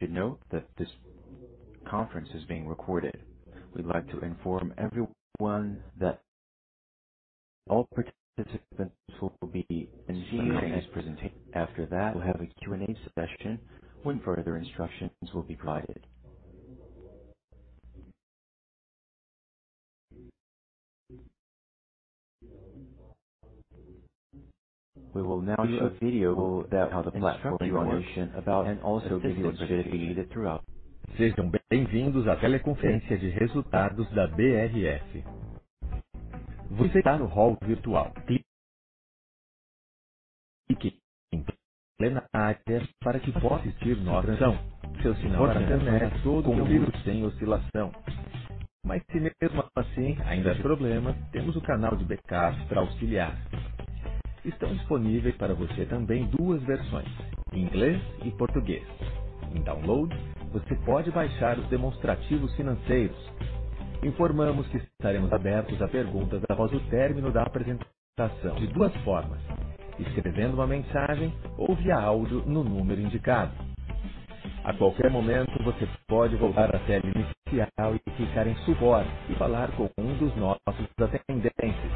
Please note that this conference is being recorded. We'd like to inform everyone that all participants will be in listen-only. After that, we'll have a Q&A session when further instructions will be provided. We will now show a video about how the platform works. Sejam bem-vindos à teleconferência de resultados da BRF. Você está no hall virtual. Clique em plena área para que possa assistir nossa ação. Seu sinal está com um livro sem oscilação. Mas se mesmo assim ainda há problemas, temos o canal de backup pra auxiliar. Estão disponíveis para você também duas versões, inglês e português. Em download, você pode baixar os demonstrativos financeiros. Informamos que estaremos abertos a perguntas após o término da apresentação de duas formas: escrevendo uma mensagem ou via áudio no número indicado. A qualquer momento, você pode voltar à tela inicial e clicar em Support e falar com um dos nossos atendentes.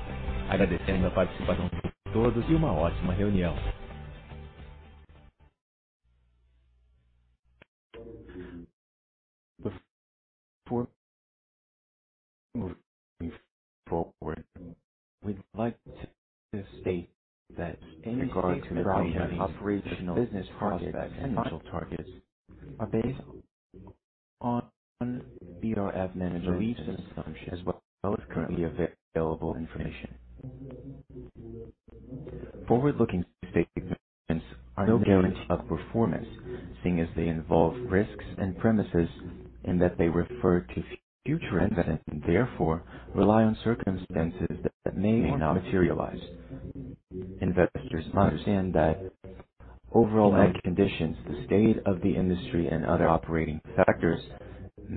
Agradecendo a participação de todos e uma ótima reunião. Before moving forward, we'd like to state that any statements regarding operational targets and financial targets are based on BRF management's assumptions as well as currently available information. Forward-looking statements are no guarantee of performance, seeing as they involve risks and premises and that they refer to future events and therefore rely on circumstances that may or may not materialize. Investors must understand that overall market conditions, the state of the industry and other operating factors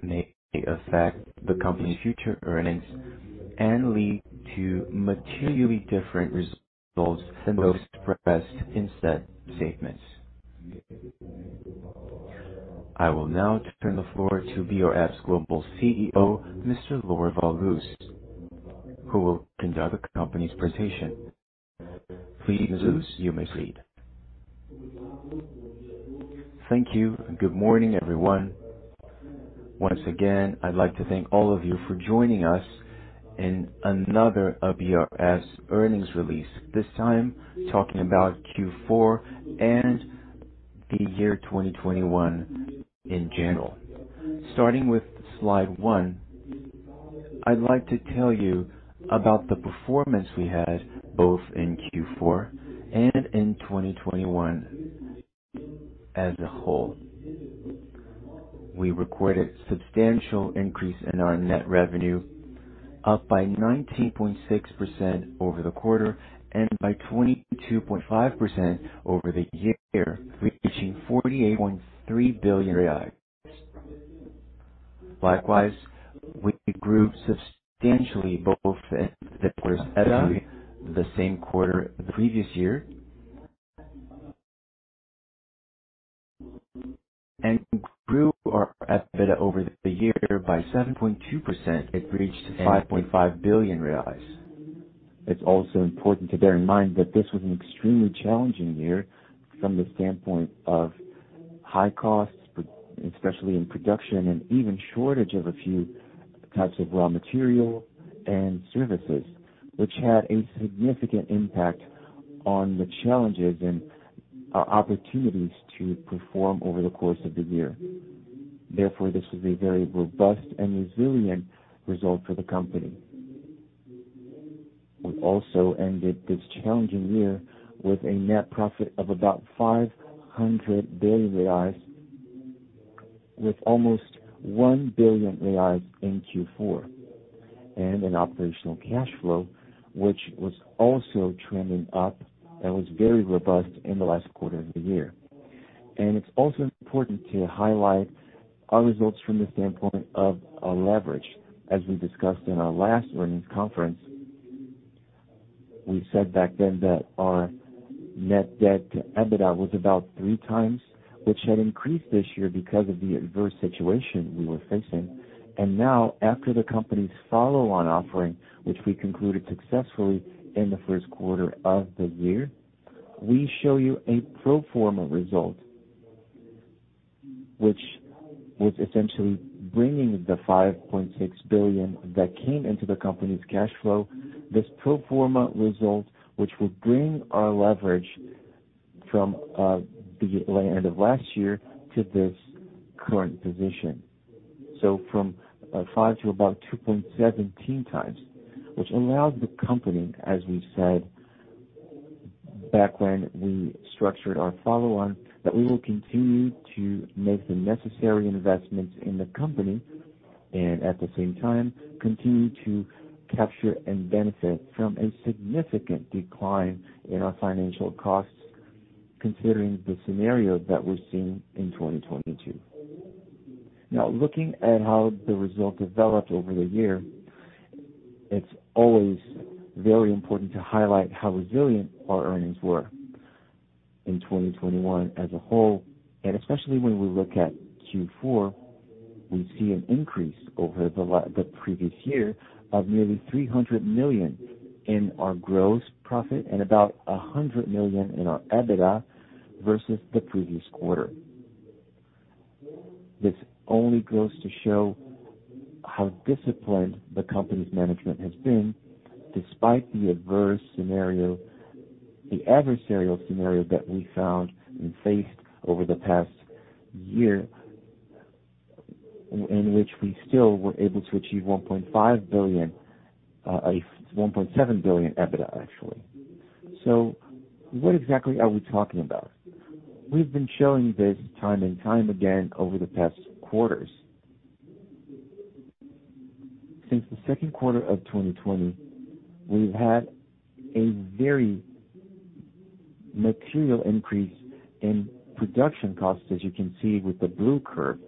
may affect the company's future earnings and lead to materially different results than those expressed in said statements. I will now turn the floor to BRF's Global CEO, Mr. Lorival Luz, who will conduct the company's presentation. Please, Mr. Luz, you may proceed. Thank you. Good morning, everyone. Once again, I'd like to thank all of you for joining us in another of BRF's earnings release, this time talking about Q4 and the year 2021 in general. Starting with slide 1, I'd like to tell you about the performance we had both in Q4 and in 2021 as a whole. We recorded substantial increase in our net revenue, up by 19.6% over the quarter and by 22.5% over the year, reaching 48.3 billion. Likewise, we grew substantially both the first half and the same quarter the previous year. We grew our EBITDA over the year by 7.2%. It reached 5.5 billion reais. It's also important to bear in mind that this was an extremely challenging year from the standpoint of high costs, especially in production, and even shortage of a few types of raw material and services, which had a significant impact on the challenges and our opportunities to perform over the course of the year. Therefore, this is a very robust and resilient result for the company. We also ended this challenging year with a net profit of about 500 billion reais, with almost 1 billion reais in Q4, and an operational cash flow, which was also trending up and was very robust in the last quarter of the year. It's also important to highlight our results from the standpoint of our leverage. As we discussed in our last earnings conference, we said back then that our net debt to EBITDA was about 3 times, which had increased this year because of the adverse situation we were facing. Now, after the company's follow-on offering, which we concluded successfully in the first quarter of the year, we show you a pro forma result, which was essentially bringing the 5.6 billion that came into the company's cash flow. This pro forma result, which will bring our leverage from the end of last year to this current position. From five to about 2.17 times, which allows the company, as we said back when we structured our follow-on, that we will continue to make the necessary investments in the company and at the same time continue to capture and benefit from a significant decline in our financial costs considering the scenario that we're seeing in 2022. Now, looking at how the result developed over the year. It's always very important to highlight how resilient our earnings were in 2021 as a whole, and especially when we look at Q4, we see an increase over the previous year of nearly 300 million in our gross profit and about 100 million in our EBITDA versus the previous quarter. This only goes to show how disciplined the company's management has been despite the adverse scenario, the adversarial scenario that we found and faced over the past year in which we still were able to achieve 1.5 billion, 1.7 billion EBITDA, actually. What exactly are we talking about? We've been showing this time and time again over the past quarters. Since the second quarter of 2020, we've had a very material increase in production costs, as you can see with the blue curve,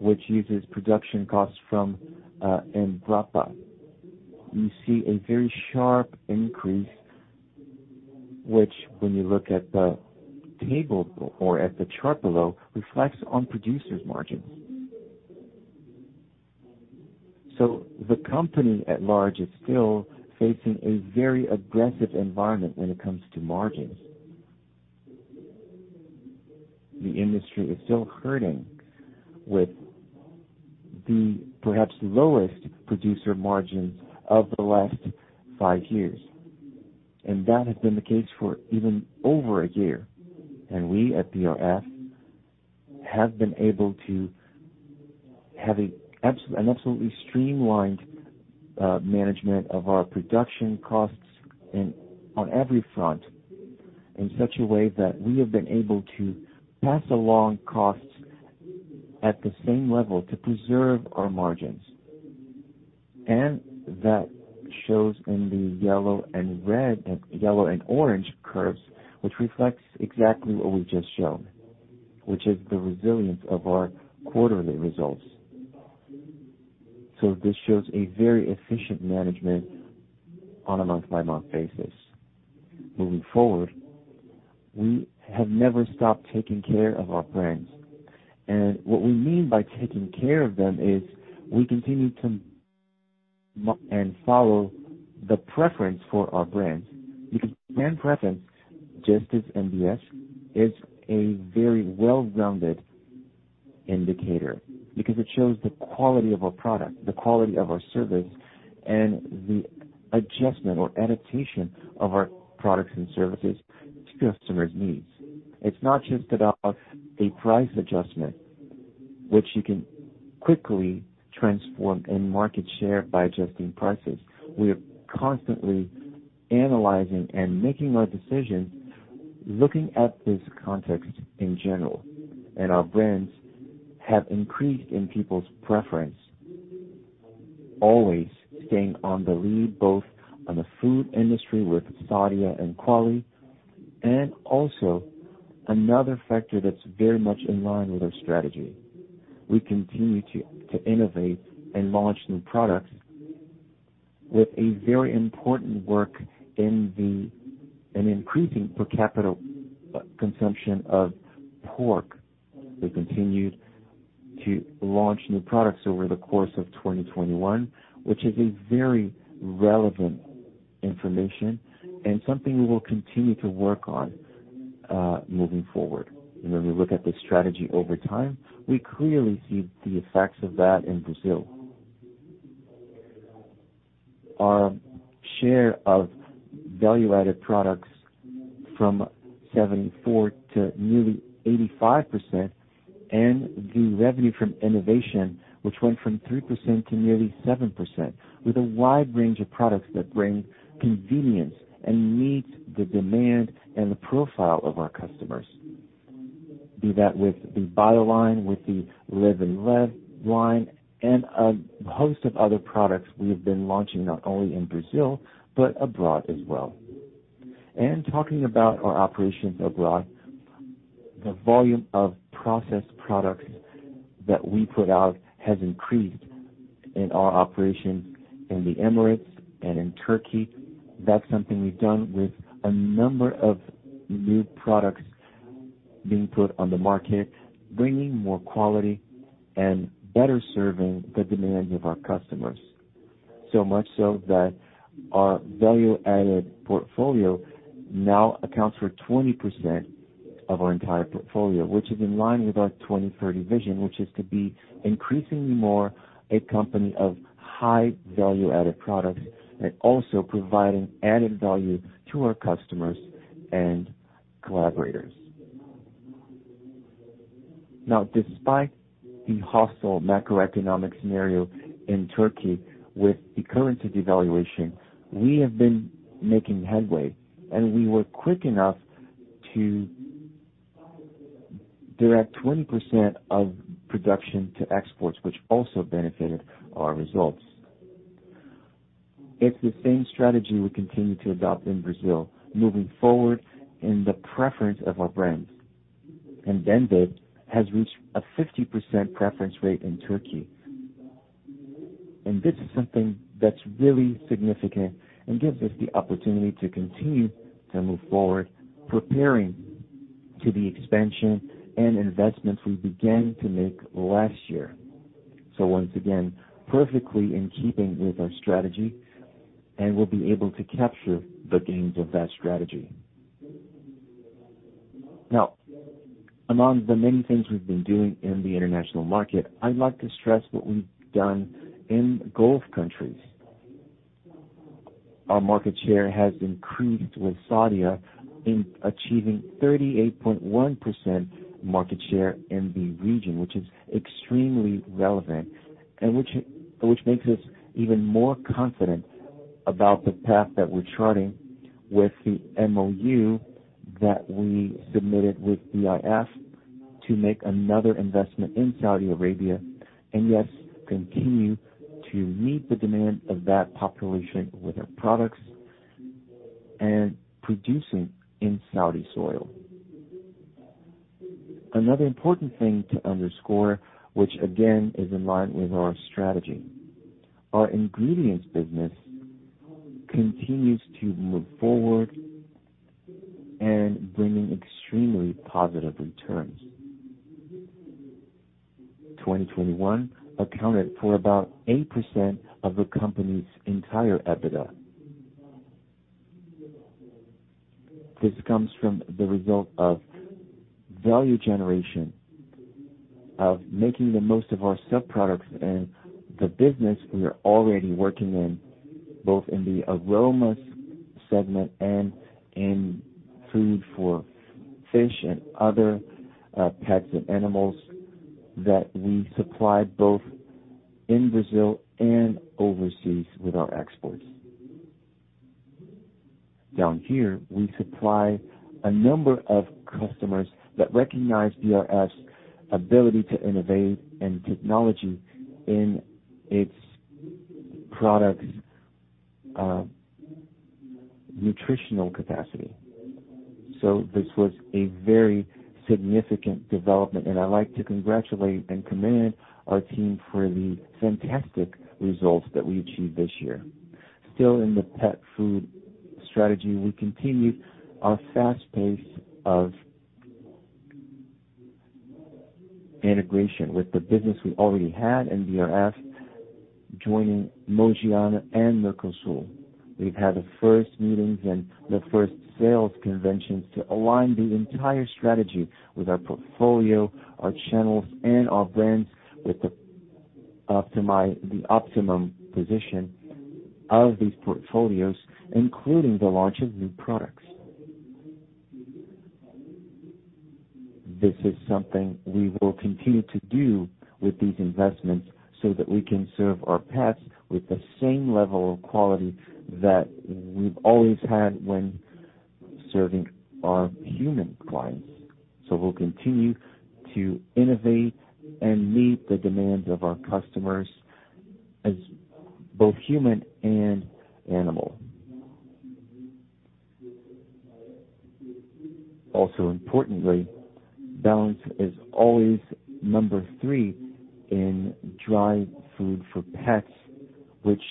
which uses production costs from Embrapa. You see a very sharp increase, which when you look at the table or at the chart below, reflects on producers' margins. The company at large is still facing a very aggressive environment when it comes to margins. The industry is still hurting with the perhaps lowest producer margins of the last five years, and that has been the case for even over a year. We at BRF have been able to have an absolutely streamlined management of our production costs on every front in such a way that we have been able to pass along costs at the same level to preserve our margins. That shows in the yellow and red, yellow and orange curves, which reflects exactly what we've just shown, which is the resilience of our quarterly results. This shows a very efficient management on a month-by-month basis. Moving forward, we have never stopped taking care of our brands. What we mean by taking care of them is we continue to and follow the preference for our brands. Because brand preference, just as NPS, is a very well-rounded indicator because it shows the quality of our product, the quality of our service, and the adjustment or adaptation of our products and services to customers' needs. It's not just about a price adjustment, which you can quickly transform in market share by adjusting prices. We are constantly analyzing and making our decisions, looking at this context in general. Our brands have increased in people's preference, always staying on the lead, both on the food industry with Sadia and Qualy, and also another factor that's very much in line with our strategy. We continue to innovate and launch new products with a very important work in an increasing per capita consumption of pork. We continued to launch new products over the course of 2021, which is a very relevant information and something we will continue to work on, moving forward. When we look at the strategy over time, we clearly see the effects of that in Brazil. Our share of value-added products from 74% to nearly 85%, and the revenue from innovation, which went from 3% to nearly 7% with a wide range of products that bring convenience and meets the demand and the profile of our customers. Be that with the Sadia Bio line, with the Livre & Leve line, and a host of other products we have been launching not only in Brazil, but abroad as well. Talking about our operations abroad, the volume of processed products that we put out has increased in our operations in the Emirates and in Turkey. That's something we've done with a number of new products being put on the market, bringing more quality and better serving the demand of our customers. Much so that our value-added portfolio now accounts for 20% of our entire portfolio, which is in line with our 2030 vision, which is to be increasingly more a company of high value-added products and also providing added value to our customers and collaborators. Despite the hostile macroeconomic scenario in Turkey with the currency devaluation, we have been making headway, and we were quick enough to direct 20% of production to exports, which also benefited our results. It's the same strategy we continue to adopt in Brazil moving forward in the preference of our brands. Banvit has reached a 50% preference rate in Turkey. This is something that's really significant and gives us the opportunity to continue to move forward, preparing to the expansion and investments we began to make last year. Once again, perfectly in keeping with our strategy, and we'll be able to capture the gains of that strategy. Now, among the many things we've been doing in the international market, I'd like to stress what we've done in Gulf countries. Our market share has increased with Sadia in achieving 38.1% market share in the region, which is extremely relevant and which makes us even more confident about the path that we're charting with the MOU that we submitted with PIF to make another investment in Saudi Arabia, and yes, continue to meet the demand of that population with our products and producing in Saudi soil. Another important thing to underscore, which again, is in line with our strategy. Our ingredients business continues to move forward and bringing extremely positive returns. 2021 accounted for about 8% of the company's entire EBITDA. This comes from the result of value generation, of making the most of our byproducts and the business we are already working in, both in the aromas segment and in food for fish and other pets and animals that we supply both in Brazil and overseas with our exports. Down here, we supply a number of customers that recognize BRF's ability to innovate and technology in its products' nutritional capacity. This was a very significant development, and I like to congratulate and commend our team for the fantastic results that we achieved this year. Still in the pet food strategy, we continued our fast pace of integration with the business we already had in BRF, joining Mogiana and Hercosul. We've had the first meetings and the first sales conventions to align the entire strategy with our portfolio, our channels, and our brands with the optimum position of these portfolios, including the launch of new products. This is something we will continue to do with these investments so that we can serve our pets with the same level of quality that we've always had when serving our human clients. We'll continue to innovate and meet the demands of our customers as both human and animal. Also, importantly, balance is always number three in dry food for pets, which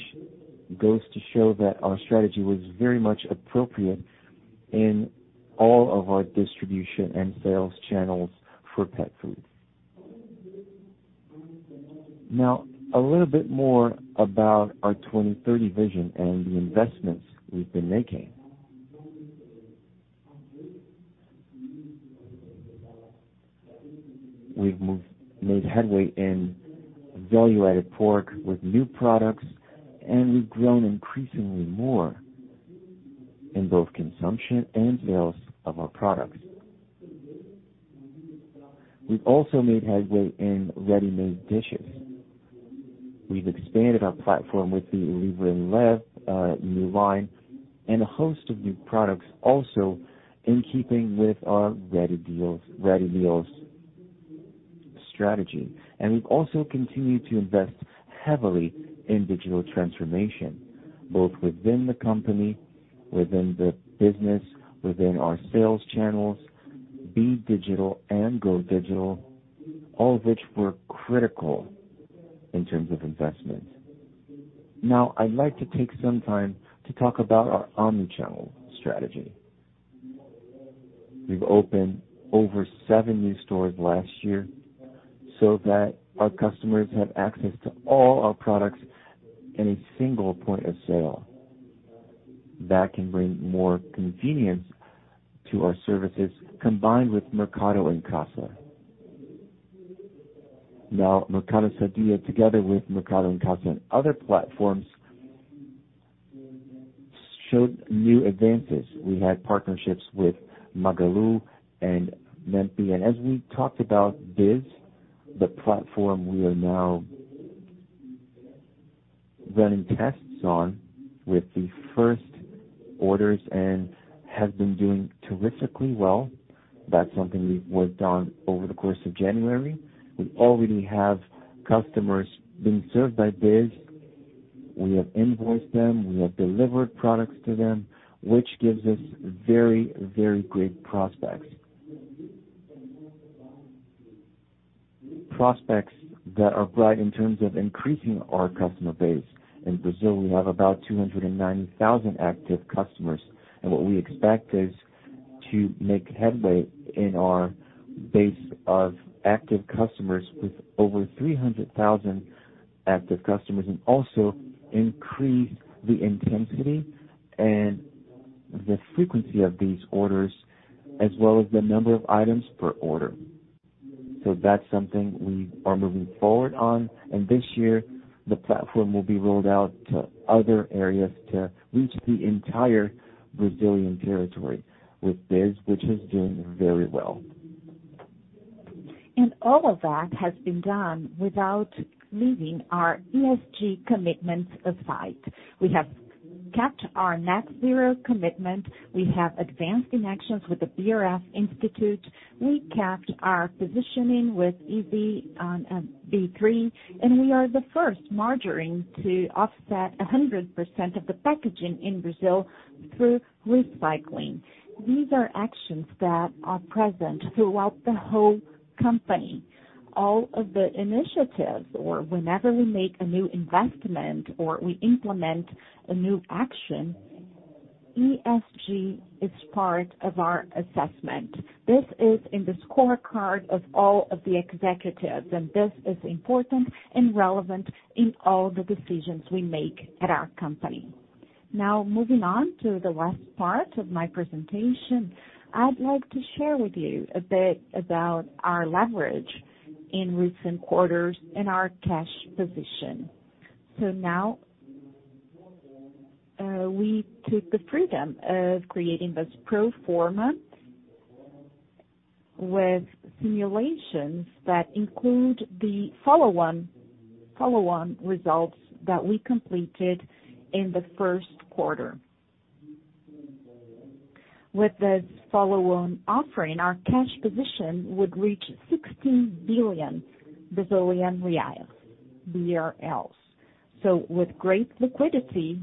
goes to show that our strategy was very much appropriate in all of our distribution and sales channels for pet food. Now, a little bit more about our 2030 vision and the investments we've been making. We've made headway in value-added pork with new products, and we've grown increasingly more in both consumption and sales of our products. We've also made headway in ready-made dishes. We've expanded our platform with the Livre & Leve new line and a host of new products also in keeping with our ready meals strategy. We've also continued to invest heavily in digital transformation, both within the company, within the business, within our sales channels, be digital and go digital, all of which were critical in terms of investment. Now, I'd like to take some time to talk about our omni-channel strategy. We've opened over 7 new stores last year so that our customers have access to all our products in a single point of sale. That can bring more convenience to our services combined with Mercado em Casa. Now, Mercado Sadia, together with Mercado em Casa and other platforms, showed new advances. We had partnerships with Magalu and Mambo. As we talked about Biz, the platform we are now running tests on with the first orders and have been doing terrifically well. That's something we've worked on over the course of January. We already have customers being served by Biz. We have invoiced them, we have delivered products to them, which gives us very, very great prospects. Prospects that are bright in terms of increasing our customer base. In Brazil, we have about 290,000 active customers, and what we expect is to make headway in our base of active customers with over 300,000 active customers, and also increase the intensity and the frequency of these orders, as well as the number of items per order. That's something we are moving forward on. This year, the platform will be rolled out to other areas to reach the entire Brazilian territory with this, which is doing very well. All of that has been done without leaving our ESG commitments aside. We have kept our net zero commitment. We have advanced connections with the BRF Institute. We kept our positioning in the ISE on B3, and we are the first margarine to offset 100% of the packaging in Brazil through recycling. These are actions that are present throughout the whole company. All of the initiatives, or whenever we make a new investment or we implement a new action, ESG is part of our assessment. This is in the scorecard of all of the executives, and this is important and relevant in all the decisions we make at our company. Now, moving on to the last part of my presentation, I'd like to share with you a bit about our leverage in recent quarters and our cash position. Now, we took the freedom of creating this pro forma with simulations that include the follow-on results that we completed in the first quarter. With this follow-on offering, our cash position would reach 16 billion Brazilian reais. With great liquidity,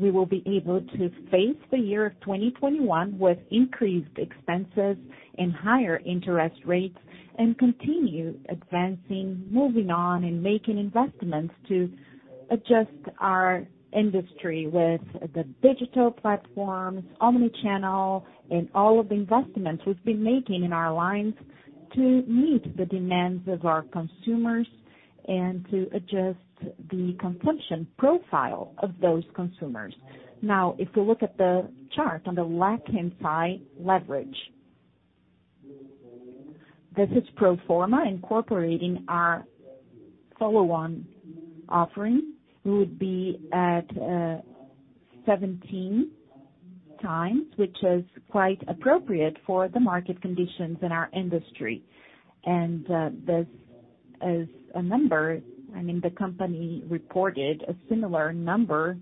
we will be able to face the year of 2021 with increased expenses and higher interest rates, and continue advancing, moving on, and making investments to adjust our industry with the digital platforms, omni-channel, and all of the investments we've been making in our lines to meet the demands of our consumers and to adjust the consumption profile of those consumers. If you look at the chart on the left-hand side, Leverage. This is pro forma incorporating our follow-on offering. We would be at 17x, which is quite appropriate for the market conditions in our industry. This as a number, I mean, the company reported a similar number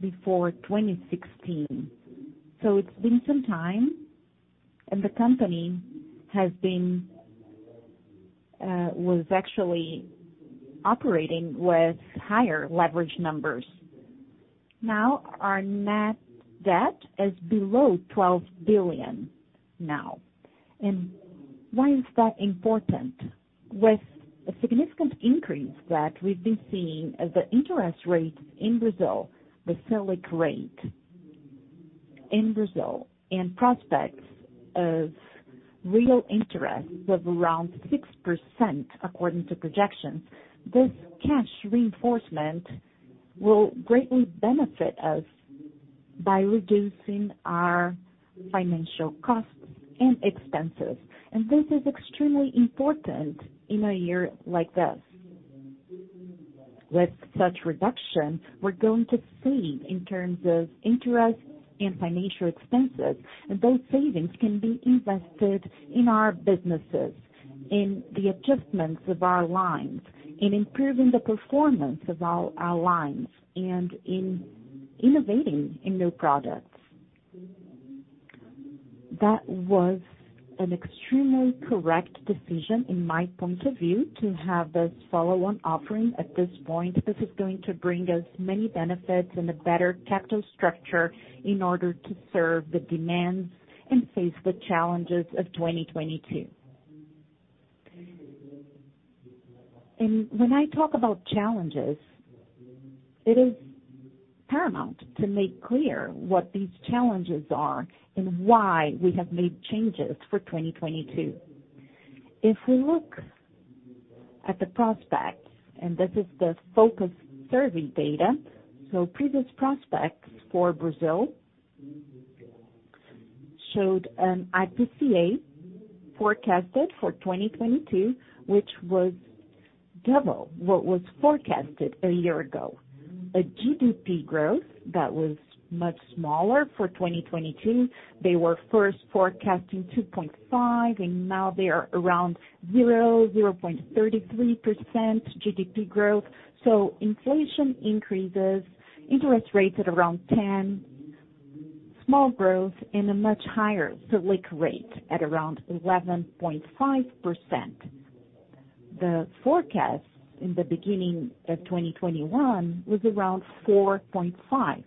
before 2016. So it's been some time, and the company was actually operating with higher leverage numbers. Now, our net debt is below 12 billion now. Why is that important? With a significant increase that we've been seeing of the interest rates in Brazil, the Selic rate in Brazil, and prospects of real interest of around 6% according to projections, this cash reinforcement will greatly benefit us by reducing our financial costs and expenses. This is extremely important in a year like this. With such reduction, we're going to save in terms of interest and financial expenses, and those savings can be invested in our businesses, in the adjustments of our lines, in improving the performance of our lines, and in innovating in new products. That was an extremely correct decision in my point of view, to have this follow-on offering at this point. This is going to bring us many benefits and a better capital structure in order to serve the demands and face the challenges of 2022. When I talk about challenges, it is paramount to make clear what these challenges are and why we have made changes for 2022. If we look at the prospects, and this is the focus survey data, so previous prospects for Brazil showed an IPCA forecasted for 2022, which was double what was forecasted a year ago. A GDP growth that was much smaller for 2022. They were first forecasting 2.5, and now they are around 0%-0.33% GDP growth. Inflation increases, interest rates at around 10%. Small growth and a much higher Selic rate at around 11.5%. The forecast in the beginning of 2021 was around 4.5%.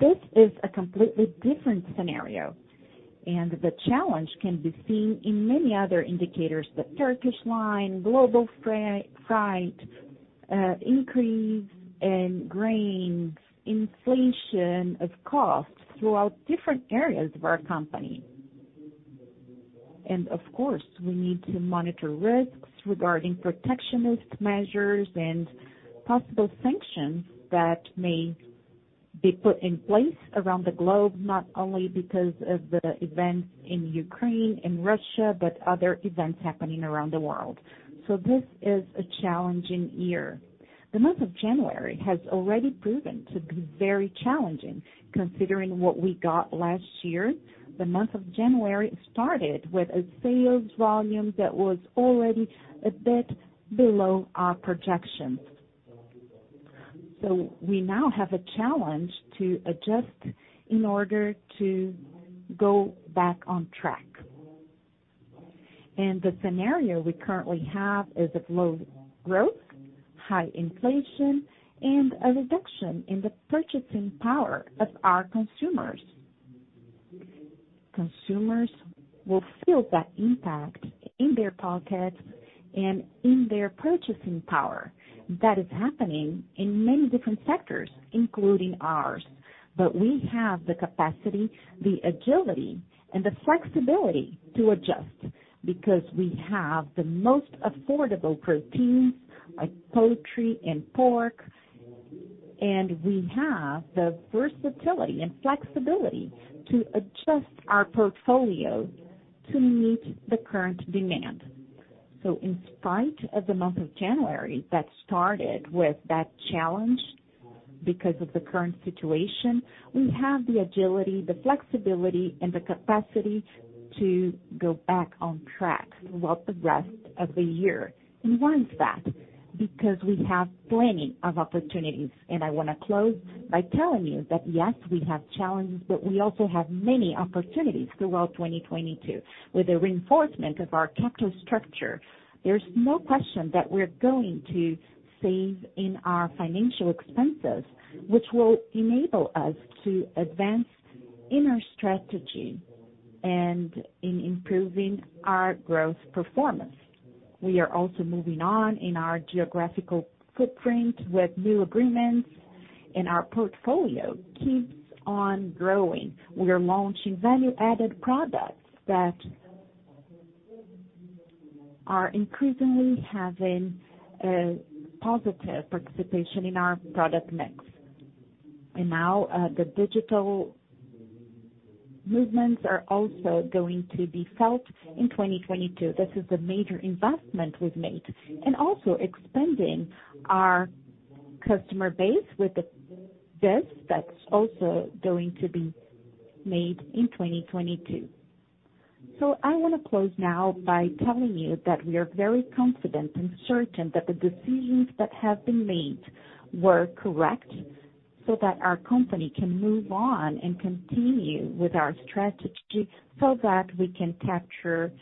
This is a completely different scenario, and the challenge can be seen in many other indicators, the Turkish lira, global freight, increase in grains, inflation of costs throughout different areas of our company. Of course, we need to monitor risks regarding protectionist measures and possible sanctions that may be put in place around the globe, not only because of the events in Ukraine and Russia, but other events happening around the world. This is a challenging year. The month of January has already proven to be very challenging, considering what we got last year. The month of January started with a sales volume that was already a bit below our projections. We now have a challenge to adjust in order to go back on track. The scenario we currently have is of low growth, high inflation, and a reduction in the purchasing power of our consumers. Consumers will feel that impact in their pockets and in their purchasing power. That is happening in many different sectors, including ours. We have the capacity, the agility, and the flexibility to adjust because we have the most affordable proteins like poultry and pork, and we have the versatility and flexibility to adjust our portfolio to meet the current demand. In spite of the month of January that started with that challenge because of the current situation, we have the agility, the flexibility, and the capacity to go back on track throughout the rest of the year. Why is that? Because we have plenty of opportunities. I wanna close by telling you that, yes, we have challenges, but we also have many opportunities throughout 2022. With the reinforcement of our capital structure, there's no question that we're going to save in our financial expenses, which will enable us to advance in our strategy and in improving our growth performance. We are also moving on in our geographical footprint with new agreements, and our portfolio keeps on growing. We are launching value-added products that are increasingly having a positive participation in our product mix. Now, the digital movements are also going to be felt in 2022. This is a major investment we've made, also expanding our customer base with this, that's also going to be made in 2022. I wanna close now by telling you that we are very confident and certain that the decisions that have been made were correct so that our company can move on and continue with our strategy so that we can capture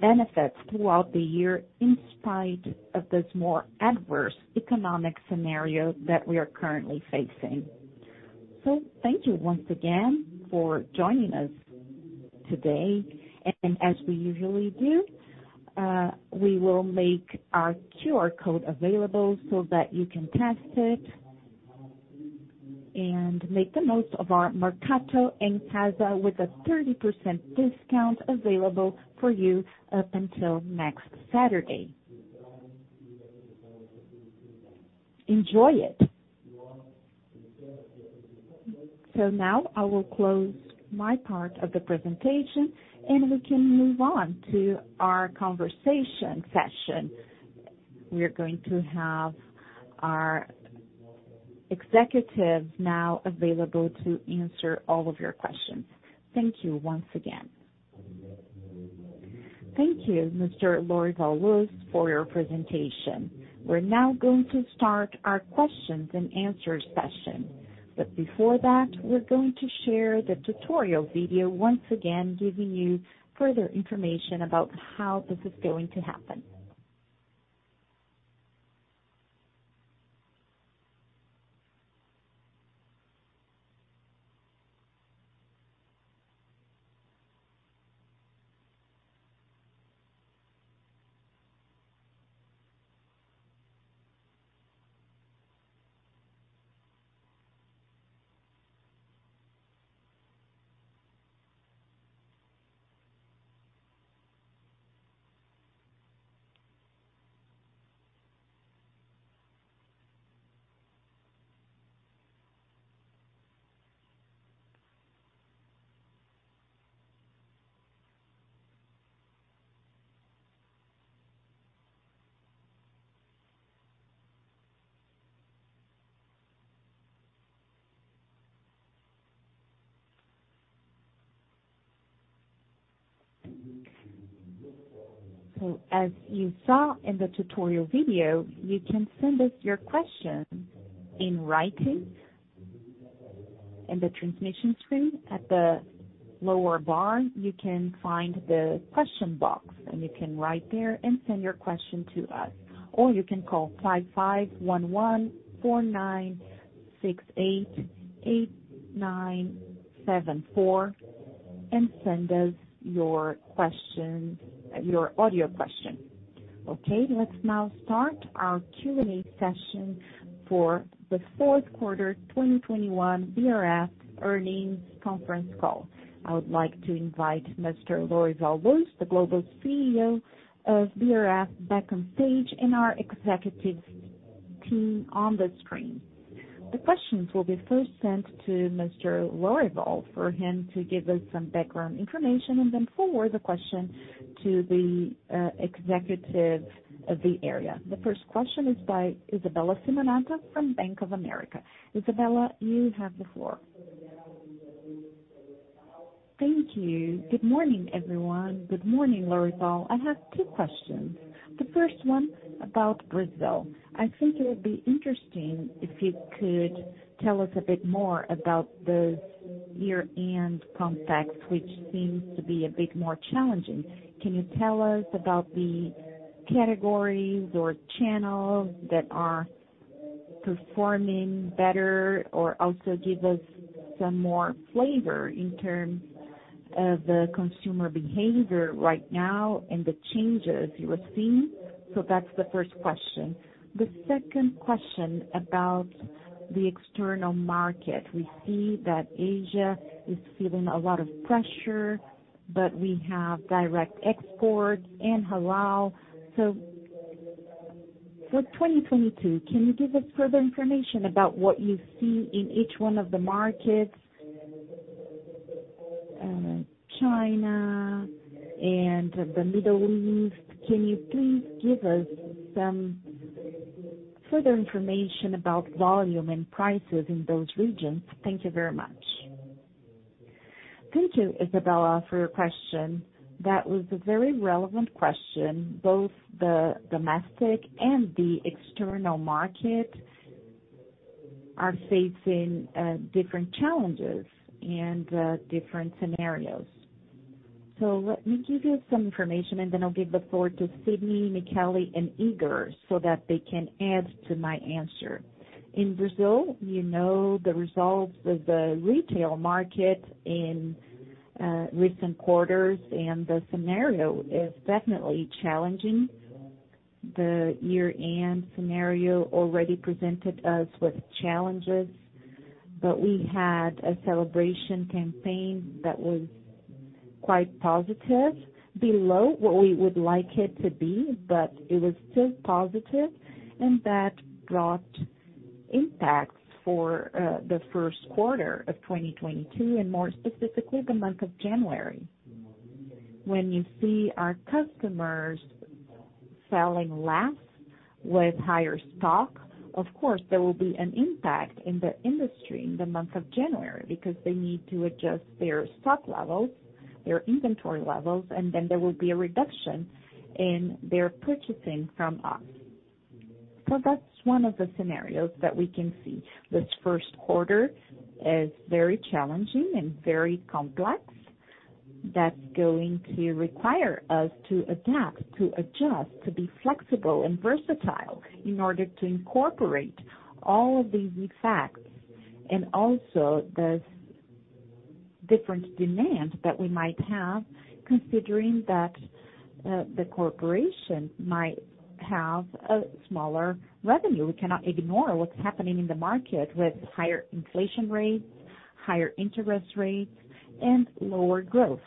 benefits throughout the year in spite of this more adverse economic scenario that we are currently facing. Thank you once again for joining us today. As we usually do, we will make our QR code available so that you can test it and make the most of our Mercado em Casa with a 30% discount available for you up until next Saturday. Enjoy it. Now I will close my part of the presentation, and we can move on to our conversation session. We're going to have our executives now available to answer all of your questions. Thank you once again. Thank you, Lorival Luz, for your presentation. We're now going to start our questions and answers session. Before that, we're going to share the tutorial video once again, giving you further information about how this is going to happen. As you saw in the tutorial video, you can send us your questions in writing. In the transmission screen at the lower bar, you can find the question box, and you can write there and send your question to us. Or you can call 551149688974 and send us your question, your audio question. Okay, let's now start our Q&A session for the fourth quarter 2021 BRF earnings conference call. I would like to invite Mr. Lorival Luz, Global CEO of BRF, back on stage and our executive team on the screen. The questions will be first sent to Mr. Lorival for him to give us some background information and then forward the question to the executive of the area. The first question is by Isabella Simonato from Bank of America. Isabella, you have the floor. Thank you. Good morning, everyone. Good morning, Lorival. I have two questions. The first one about Brazil. I think it would be interesting if you could tell us a bit more about the year-end compact, which seems to be a bit more challenging. Can you tell us about the categories or channels that are performing better or also give us some more flavor in terms of the consumer behavior right now and the changes you are seeing? That's the first question. The second question about the external market. We see that Asia is feeling a lot of pressure, but we have direct export and halal. For 2022, can you give us further information about what you see in each one of the markets? China and the Middle East. Can you please give us some further information about volume and prices in those regions? Thank you very much. Thank you, Isabella, for your question. That was a very relevant question. Both the domestic and the external market are facing different challenges and different scenarios. Let me give you some information, and then I'll give the floor to Sidney, Michele, and Edgar so that they can add to my answer. In Brazil, you know the results of the retail market in recent quarters, and the scenario is definitely challenging. The year-end scenario already presented us with challenges, but we had a celebration campaign that was quite positive. Below what we would like it to be, but it was still positive, and that brought impacts for the first quarter of 2022 and more specifically, the month of January. When you see our customers selling less with higher stock, of course, there will be an impact in the industry in the month of January because they need to adjust their stock levels, their inventory levels, and then there will be a reduction in their purchasing from us. That's one of the scenarios that we can see. This first quarter is very challenging and very complex. That's going to require us to adapt, to adjust, to be flexible and versatile in order to incorporate all of these facts and also the different demands that we might have, considering that the corporation might have a smaller revenue. We cannot ignore what's happening in the market with higher inflation rates, higher interest rates, and lower growth.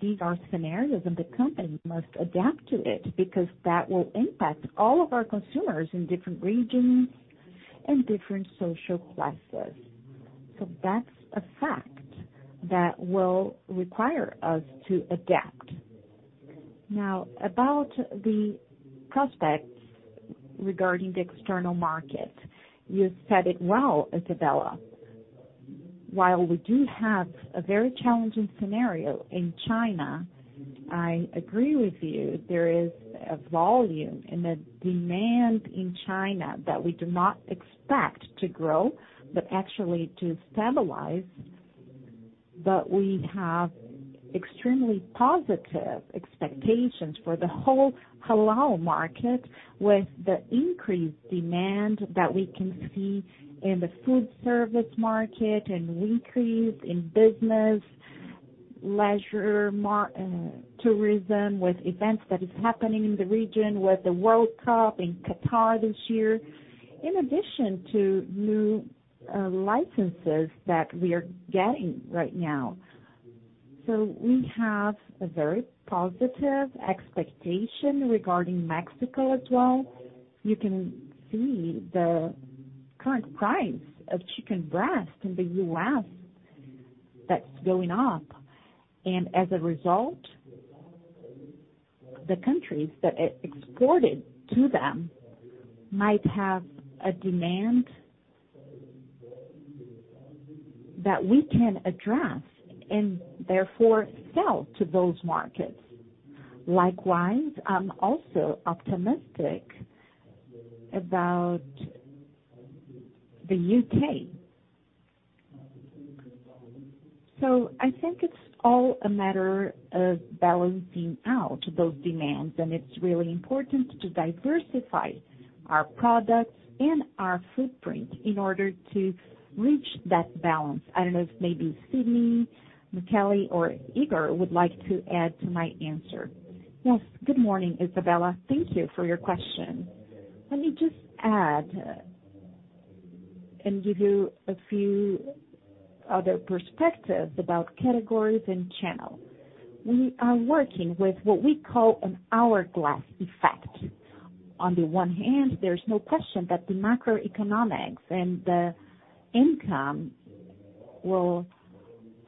These are scenarios and the company must adapt to it because that will impact all of our consumers in different regions and different social classes. That's a fact that will require us to adapt. Now, about the prospects regarding the external market, you said it well, Isabella. While we do have a very challenging scenario in China, I agree with you, there is a volume and a demand in China that we do not expect to grow, but actually to stabilize. We have extremely positive expectations for the whole halal market with the increased demand that we can see in the food service market and increase in business, leisure, tourism with events that is happening in the region with the World Cup in Qatar this year, in addition to new licenses that we are getting right now. We have a very positive expectation regarding Mexico as well. You can see the current price of chicken breast in the U.S. that's going up. As a result, the countries that exported to them might have a demand that we can address and therefore sell to those markets. Likewise, I'm also optimistic about the U.K. I think it's all a matter of balancing out those demands, and it's really important to diversify our products and our footprint in order to reach that balance. I don't know if maybe Sidney, Michele, or Edgar would like to add to my answer. Yes, good morning, Isabella. Thank you for your question. Let me just add and give you a few other perspectives about categories and channels. We are working with what we call an hourglass effect. On the one hand, there's no question that the macroeconomics and the income will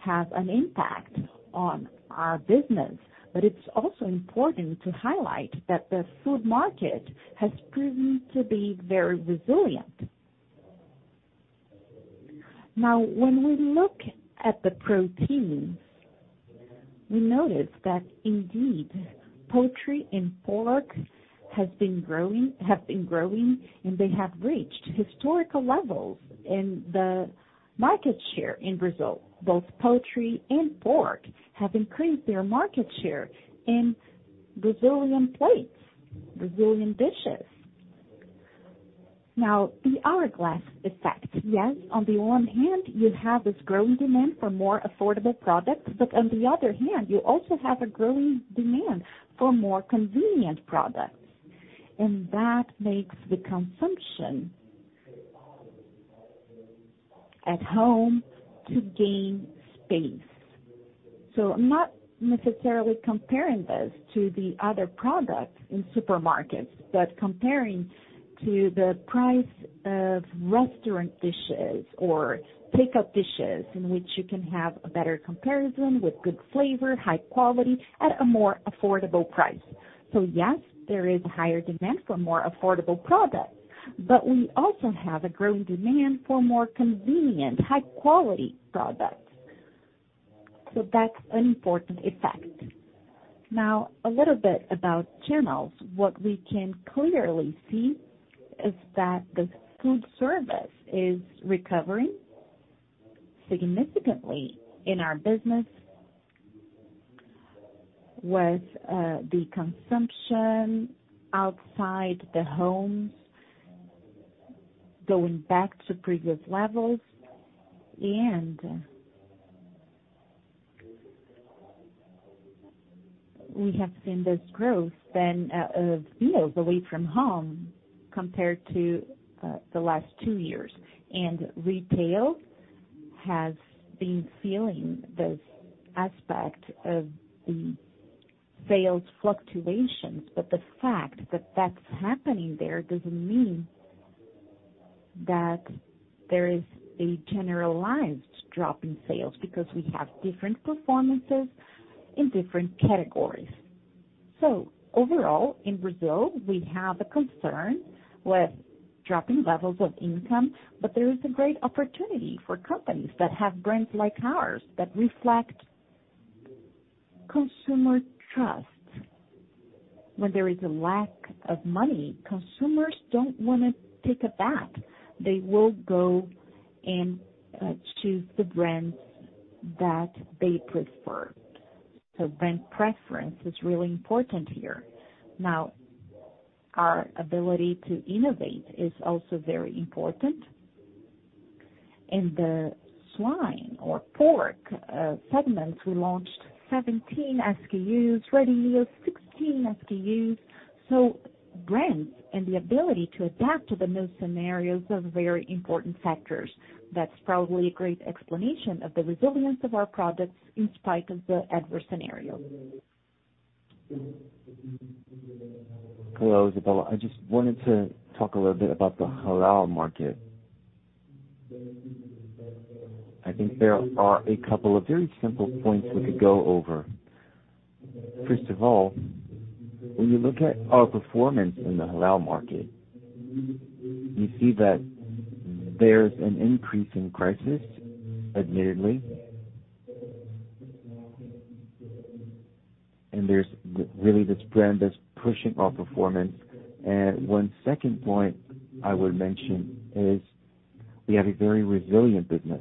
have an impact on our business. But it's also important to highlight that the food market has proven to be very resilient. Now, when we look at the proteins, we notice that indeed, poultry and pork have been growing, and they have reached historical levels in the market share in Brazil. Both poultry and pork have increased their market share in Brazilian plates, Brazilian dishes. Now, the hourglass effect. Yes, on the one hand, you have this growing demand for more affordable products, but on the other hand, you also have a growing demand for more convenient products. That makes the consumption at home to gain space. I'm not necessarily comparing this to the other products in supermarkets, but comparing to the price of restaurant dishes or take-out dishes in which you can have a better comparison with good flavor, high quality at a more affordable price. Yes, there is a higher demand for more affordable products, but we also have a growing demand for more convenient, high-quality products. That's an important effect. Now, a little bit about channels. What we can clearly see is that the food service is recovering significantly in our business, with the consumption outside the homes going back to previous levels, and we have seen this growth then of meals away from home compared to the last two years. Retail has been feeling this aspect of the sales fluctuations. The fact that that's happening there doesn't mean that there is a generalized drop in sales because we have different performances in different categories. Overall, in Brazil, we have a concern with dropping levels of income, but there is a great opportunity for companies that have brands like ours that reflect consumer trust. When there is a lack of money, consumers don't wanna take a bath. They will go and choose the brands that they prefer. Brand preference is really important here. Now, our ability to innovate is also very important. In the swine or pork segments, we launched 17 SKUs, ready meals, 16 SKUs. Brands and the ability to adapt to the new scenarios are very important factors. That's probably a great explanation of the resilience of our products in spite of the adverse scenario. Hello, Isabella. I just wanted to talk a little bit about the halal market. I think there are a couple of very simple points we could go over. First of all, when you look at our performance in the halal market, you see that there's an increase in prices, admittedly, and there's really this brand that's pushing our performance. One second point I would mention is we have a very resilient business,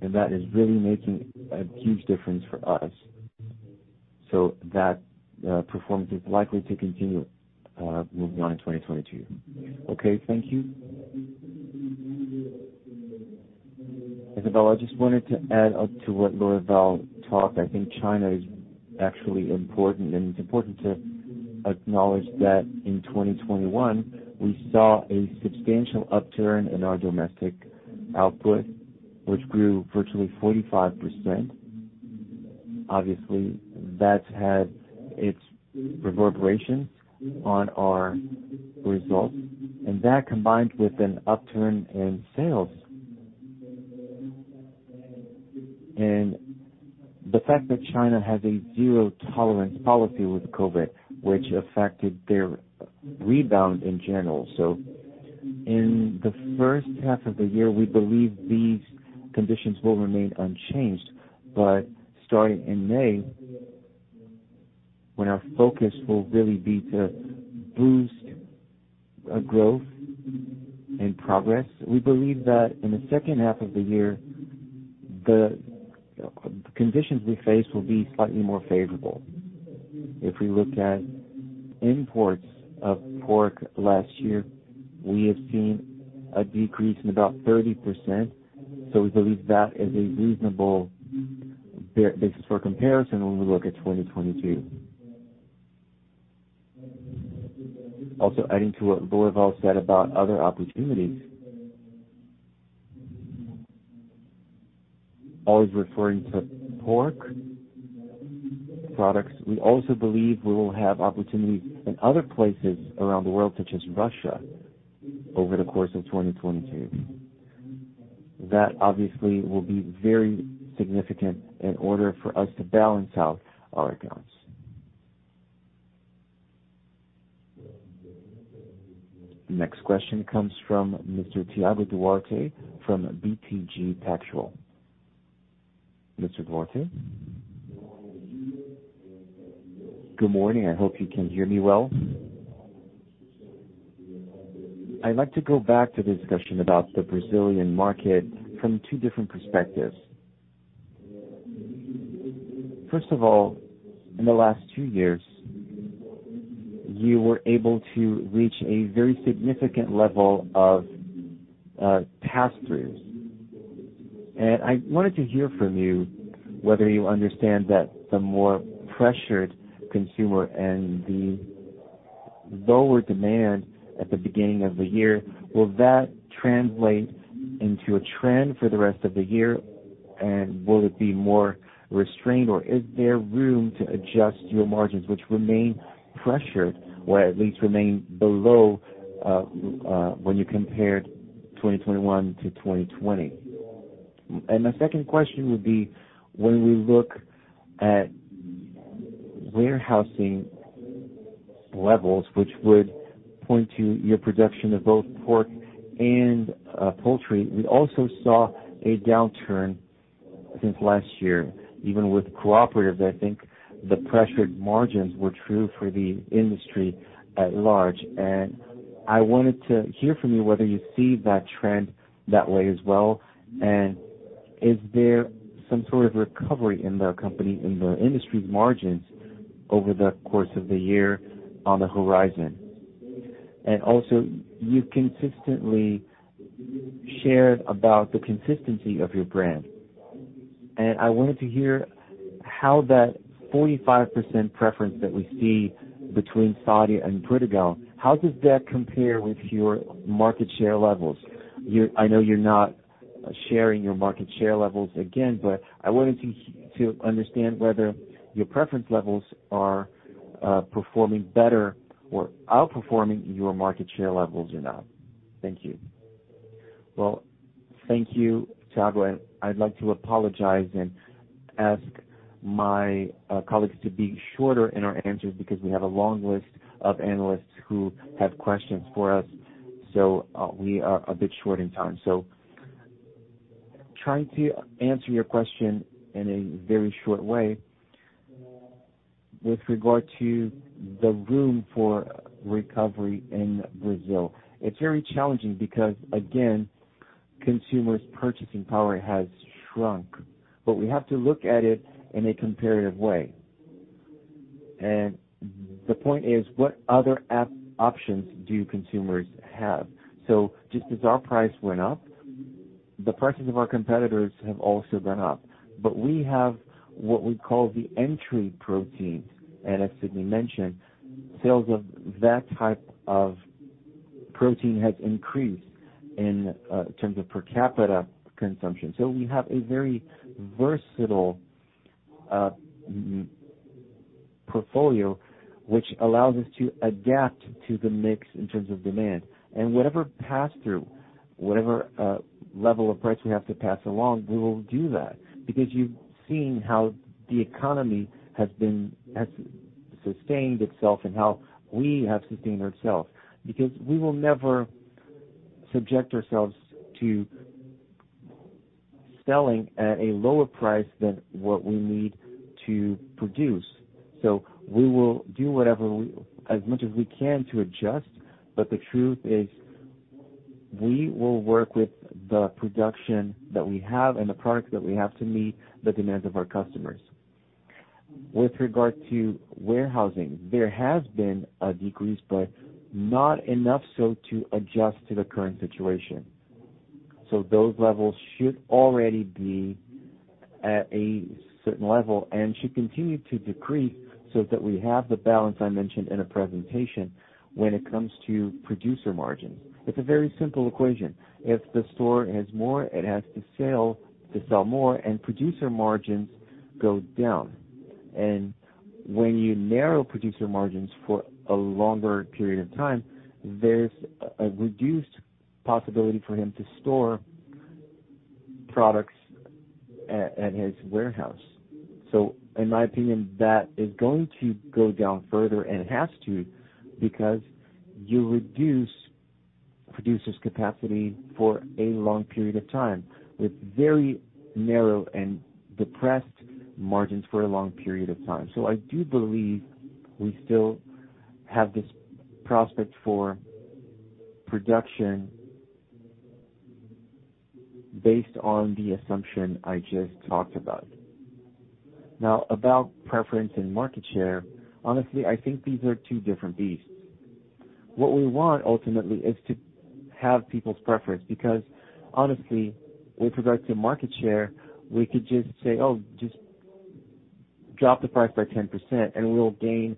and that is really making a huge difference for us. That performance is likely to continue moving on in 2022. Okay, thank you. Isabella, I just wanted to add on to what Lorival talked. I think China is actually important, and it's important to acknowledge that in 2021, we saw a substantial upturn in our domestic output, which grew virtually 45%. Obviously, that's had its reverberations on our results, and that combined with an upturn in sales. The fact that China has a zero-tolerance policy with COVID, which affected their rebound in general. In the first half of the year, we believe these conditions will remain unchanged. Starting in May, when our focus will really be to boost growth and progress, we believe that in the second half of the year, the conditions we face will be slightly more favorable. If we look at imports of pork last year, we have seen a decrease in about 30%, so we believe that is a reasonable basis for comparison when we look at 2022. Also adding to what Lorival said about other opportunities. Always referring to pork products, we also believe we will have opportunities in other places around the world, such as Russia over the course of 2022. That obviously will be very significant in order for us to balance out our accounts. Next question comes from Mr. Thiago Duarte from BTG Pactual. Mr. Duarte. Good morning. I hope you can hear me well. I'd like to go back to the discussion about the Brazilian market from two different perspectives. First of all, in the last two years, you were able to reach a very significant level of pass-throughs. I wanted to hear from you whether you understand that the more pressured consumer and the lower demand at the beginning of the year will translate into a trend for the rest of the year, and will it be more restrained, or is there room to adjust your margins, which remain pressured, or at least remain below when you compare 2021 to 2020? My second question would be, when we look at warehousing levels, which would point to your production of both pork and poultry, we also saw a downturn since last year, even with cooperatives. I think the pressured margins were true for the industry at large. I wanted to hear from you whether you see that trend that way as well. Is there some sort of recovery in the company, in the industry's margins over the course of the year on the horizon? Also, you consistently shared about the consistency of your brand. I wanted to hear how that 45% preference that we see between Sadia and Perdigão, how does that compare with your market share levels? I know you're not sharing your market share levels again, but I wanted to understand whether your preference levels are performing better or outperforming your market share levels or not. Thank you. Well, thank you, Tiago, and I'd like to apologize and ask my colleagues to be shorter in our answers because we have a long list of analysts who have questions for us, so we are a bit short in time. Trying to answer your question in a very short way with regard to the room for recovery in Brazil, it's very challenging because again, consumers' purchasing power has shrunk. We have to look at it in a comparative way. The point is, what other options do consumers have? Just as our price went up, the prices of our competitors have also gone up. We have what we call the entry proteins. As Sidney mentioned, sales of that type of protein has increased in terms of per capita consumption. We have a very versatile portfolio which allows us to adapt to the mix in terms of demand. Whatever pass-through, whatever level of price we have to pass along, we will do that because you've seen how the economy has sustained itself and how we have sustained ourselves. Because we will never subject ourselves to selling at a lower price than what we need to produce. We will do whatever we can to adjust. The truth is, we will work with the production that we have and the products that we have to meet the demands of our customers. With regard to warehousing, there has been a decrease, but not enough so to adjust to the current situation. Those levels should already be at a certain level and should continue to decrease so that we have the balance I mentioned in the presentation when it comes to producer margins. It's a very simple equation. If the store has more, it has to sell more and producer margins go down. When you narrow producer margins for a longer period of time, there's a reduced possibility for him to store products at his warehouse. In my opinion, that is going to go down further and has to, because you reduce producer's capacity for a long period of time with very narrow and depressed margins for a long period of time. I do believe we still have this prospect for production based on the assumption I just talked about. Now about preference and market share. Honestly, I think these are two different beasts. What we want ultimately is to have people's preference because honestly, with regards to market share, we could just say, "Oh, just drop the price by 10%, and we'll gain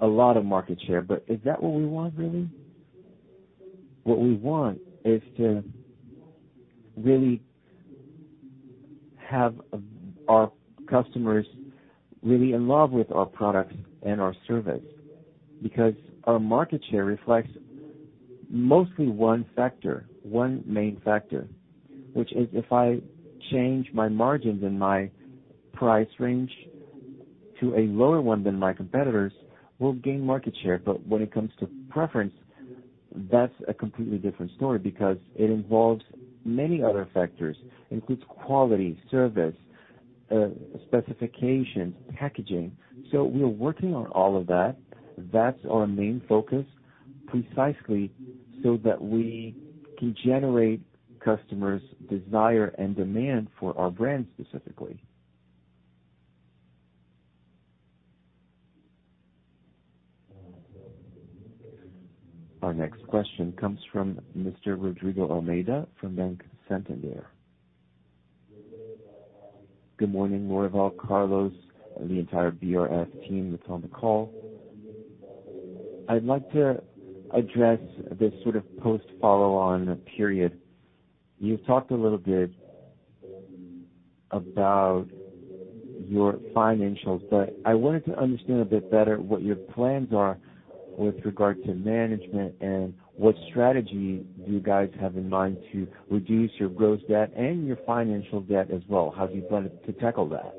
a lot of market share." Is that what we want really? What we want is to really have our customers really in love with our products and our service. Because our market share reflects mostly one factor, one main factor, which is if I change my margins and my price range to a lower one than my competitors, we'll gain market share. When it comes to preference, that's a completely different story because it involves many other factors. Includes quality, service, specifications, packaging. We are working on all of that. That's our main focus, precisely so that we can generate customers' desire and demand for our brand specifically. Our next question comes from Mr. Rodrigo Almeida from Banco Santander. Good morning, Lorival, Carlos, and the entire BRF team that's on the call. I'd like to address this sort of post follow-on period. You've talked a little bit about your financials, but I wanted to understand a bit better what your plans are with regard to management and what strategy do you guys have in mind to reduce your gross debt and your financial debt as well. How do you plan to tackle that?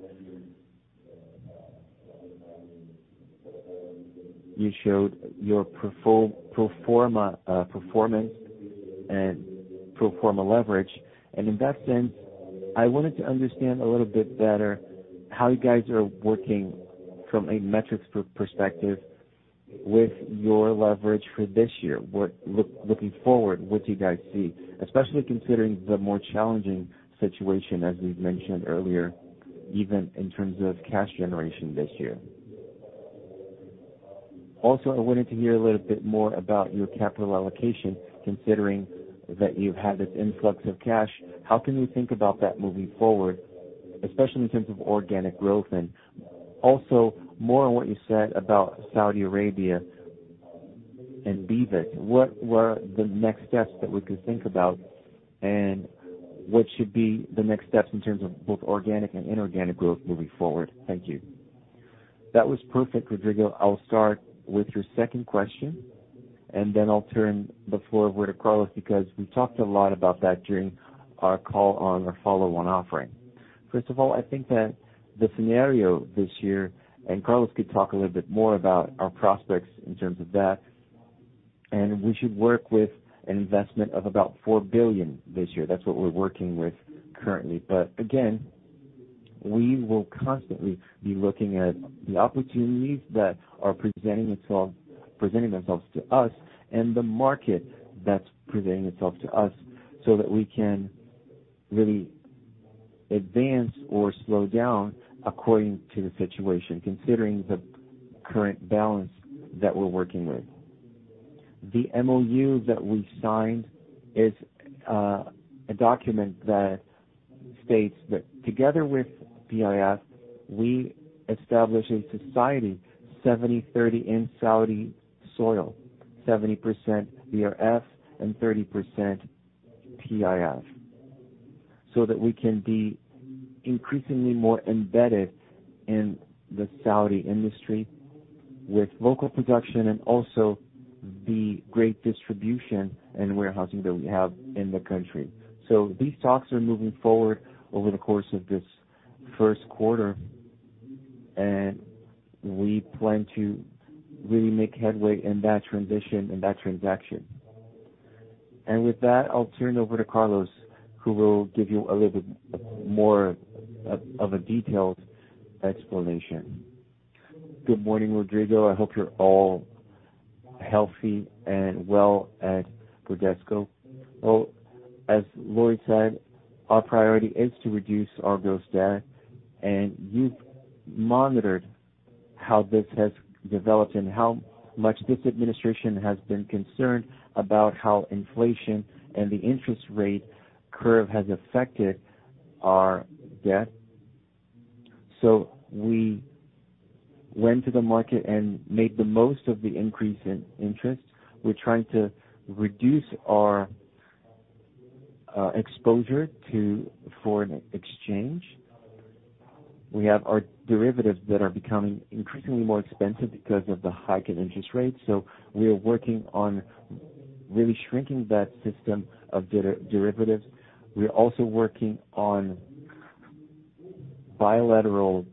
You showed your pro forma performance and pro forma leverage. In that sense, I wanted to understand a little bit better how you guys are working from a metrics perspective with your leverage for this year. Looking forward, what do you guys see? Especially considering the more challenging situation as we've mentioned earlier, even in terms of cash generation this year. I wanted to hear a little bit more about your capital allocation, considering that you've had this influx of cash. How can we think about that moving forward, especially in terms of organic growth? Also more on what you said about Saudi Arabia and Banvit. What are the next steps that we could think about, and what should be the next steps in terms of both organic and inorganic growth moving forward? Thank you. That was perfect, Rodrigo. I'll start with your second question, and then I'll turn the floor over to Carlos because we talked a lot about that during our call on our follow-on offering. First of all, I think that the scenario this year, and Carlos could talk a little bit more about our prospects in terms of that, and we should work with an investment of about 4 billion this year. That's what we're working with currently. Again, we will constantly be looking at the opportunities that are presenting themselves to us and the market that's presenting itself to us, so that we can really advance or slow down according to the situation, considering the current balance that we're working with. The MOU that we signed is a document that states that together with PIF, we establish a society 70/30 in Saudi soil, 70% BRF and 30% PIF, so that we can be increasingly more embedded in the Saudi industry with local production and also the great distribution and warehousing that we have in the country. These talks are moving forward over the course of this first quarter, and we plan to really make headway in that transition and that transaction. With that, I'll turn it over to Carlos, who will give you a little bit more of a detailed explanation. Good morning, Rodrigo. I hope you're all healthy and well at Bradesco. Well, as Lorival said, our priority is to reduce our gross debt, and you've monitored how this has developed and how much this administration has been concerned about how inflation and the interest rate curve has affected our debt. We went to the market and made the most of the increase in interest. We're trying to reduce our exposure to foreign exchange. We have our derivatives that are becoming increasingly more expensive because of the hike in interest rates. We are working on really shrinking that system of derivatives. We are also working on bilateral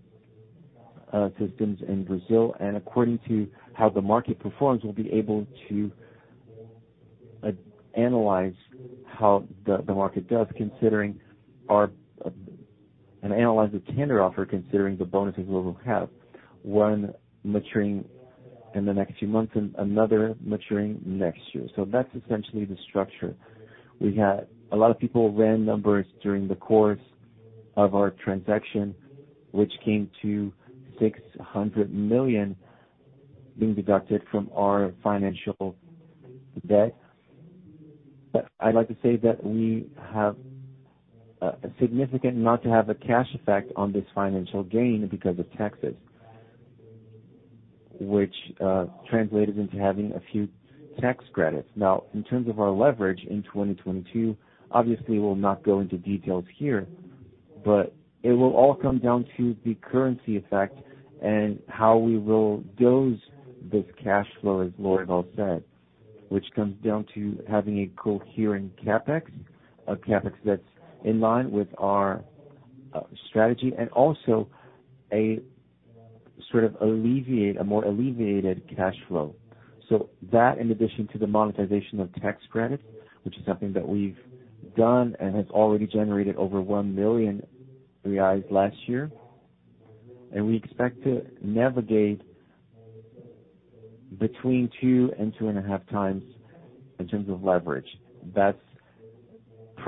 systems in Brazil, and according to how the market performs, we'll be able to analyze how the market does, and analyze the tender offer considering the bonuses we will have, one maturing in the next few months and another maturing next year. That's essentially the structure. We had a lot of people ran numbers during the course of our transaction, which came to 600 million being deducted from our financial debt. I'd like to say that we have a significant not to have a cash effect on this financial gain because of taxes, which translated into having a few tax credits. Now, in terms of our leverage in 2022, obviously we'll not go into details here, but it will all come down to the currency effect and how we will dose this cash flow, as Lorival said, which comes down to having a coherent CapEx, a CapEx that's in line with our strategy and also a more alleviated cash flow. That in addition to the monetization of tax credits, which is something that we've done and has already generated over 1 million reais last year, and we expect to navigate between 2 and 2.5 times in terms of leverage. That's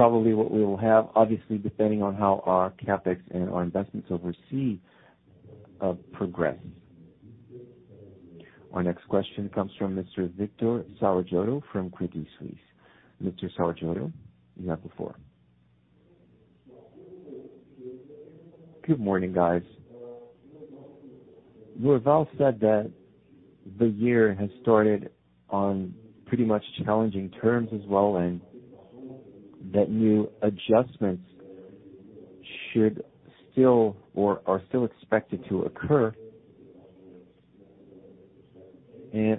probably what we will have, obviously depending on how our CapEx and our investments overseas progress. Our next question comes from Mr. Victor Saragiotto from Credit Suisse. Mr. Saragiotto, you have the floor. Good morning, guys. Lorival said that the year has started on pretty much challenging terms as well, and that new adjustments should still or are still expected to occur.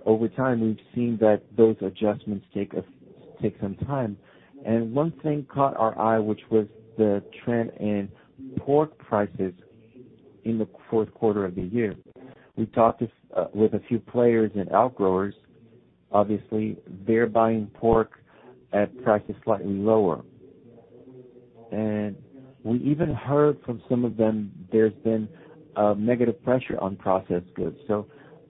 Over time, we've seen that those adjustments take some time. One thing caught our eye, which was the trend in pork prices in the fourth quarter of the year. We talked with a few players and outgrowers. Obviously, they're buying pork at prices slightly lower. We even heard from some of them there's been a negative pressure on processed goods.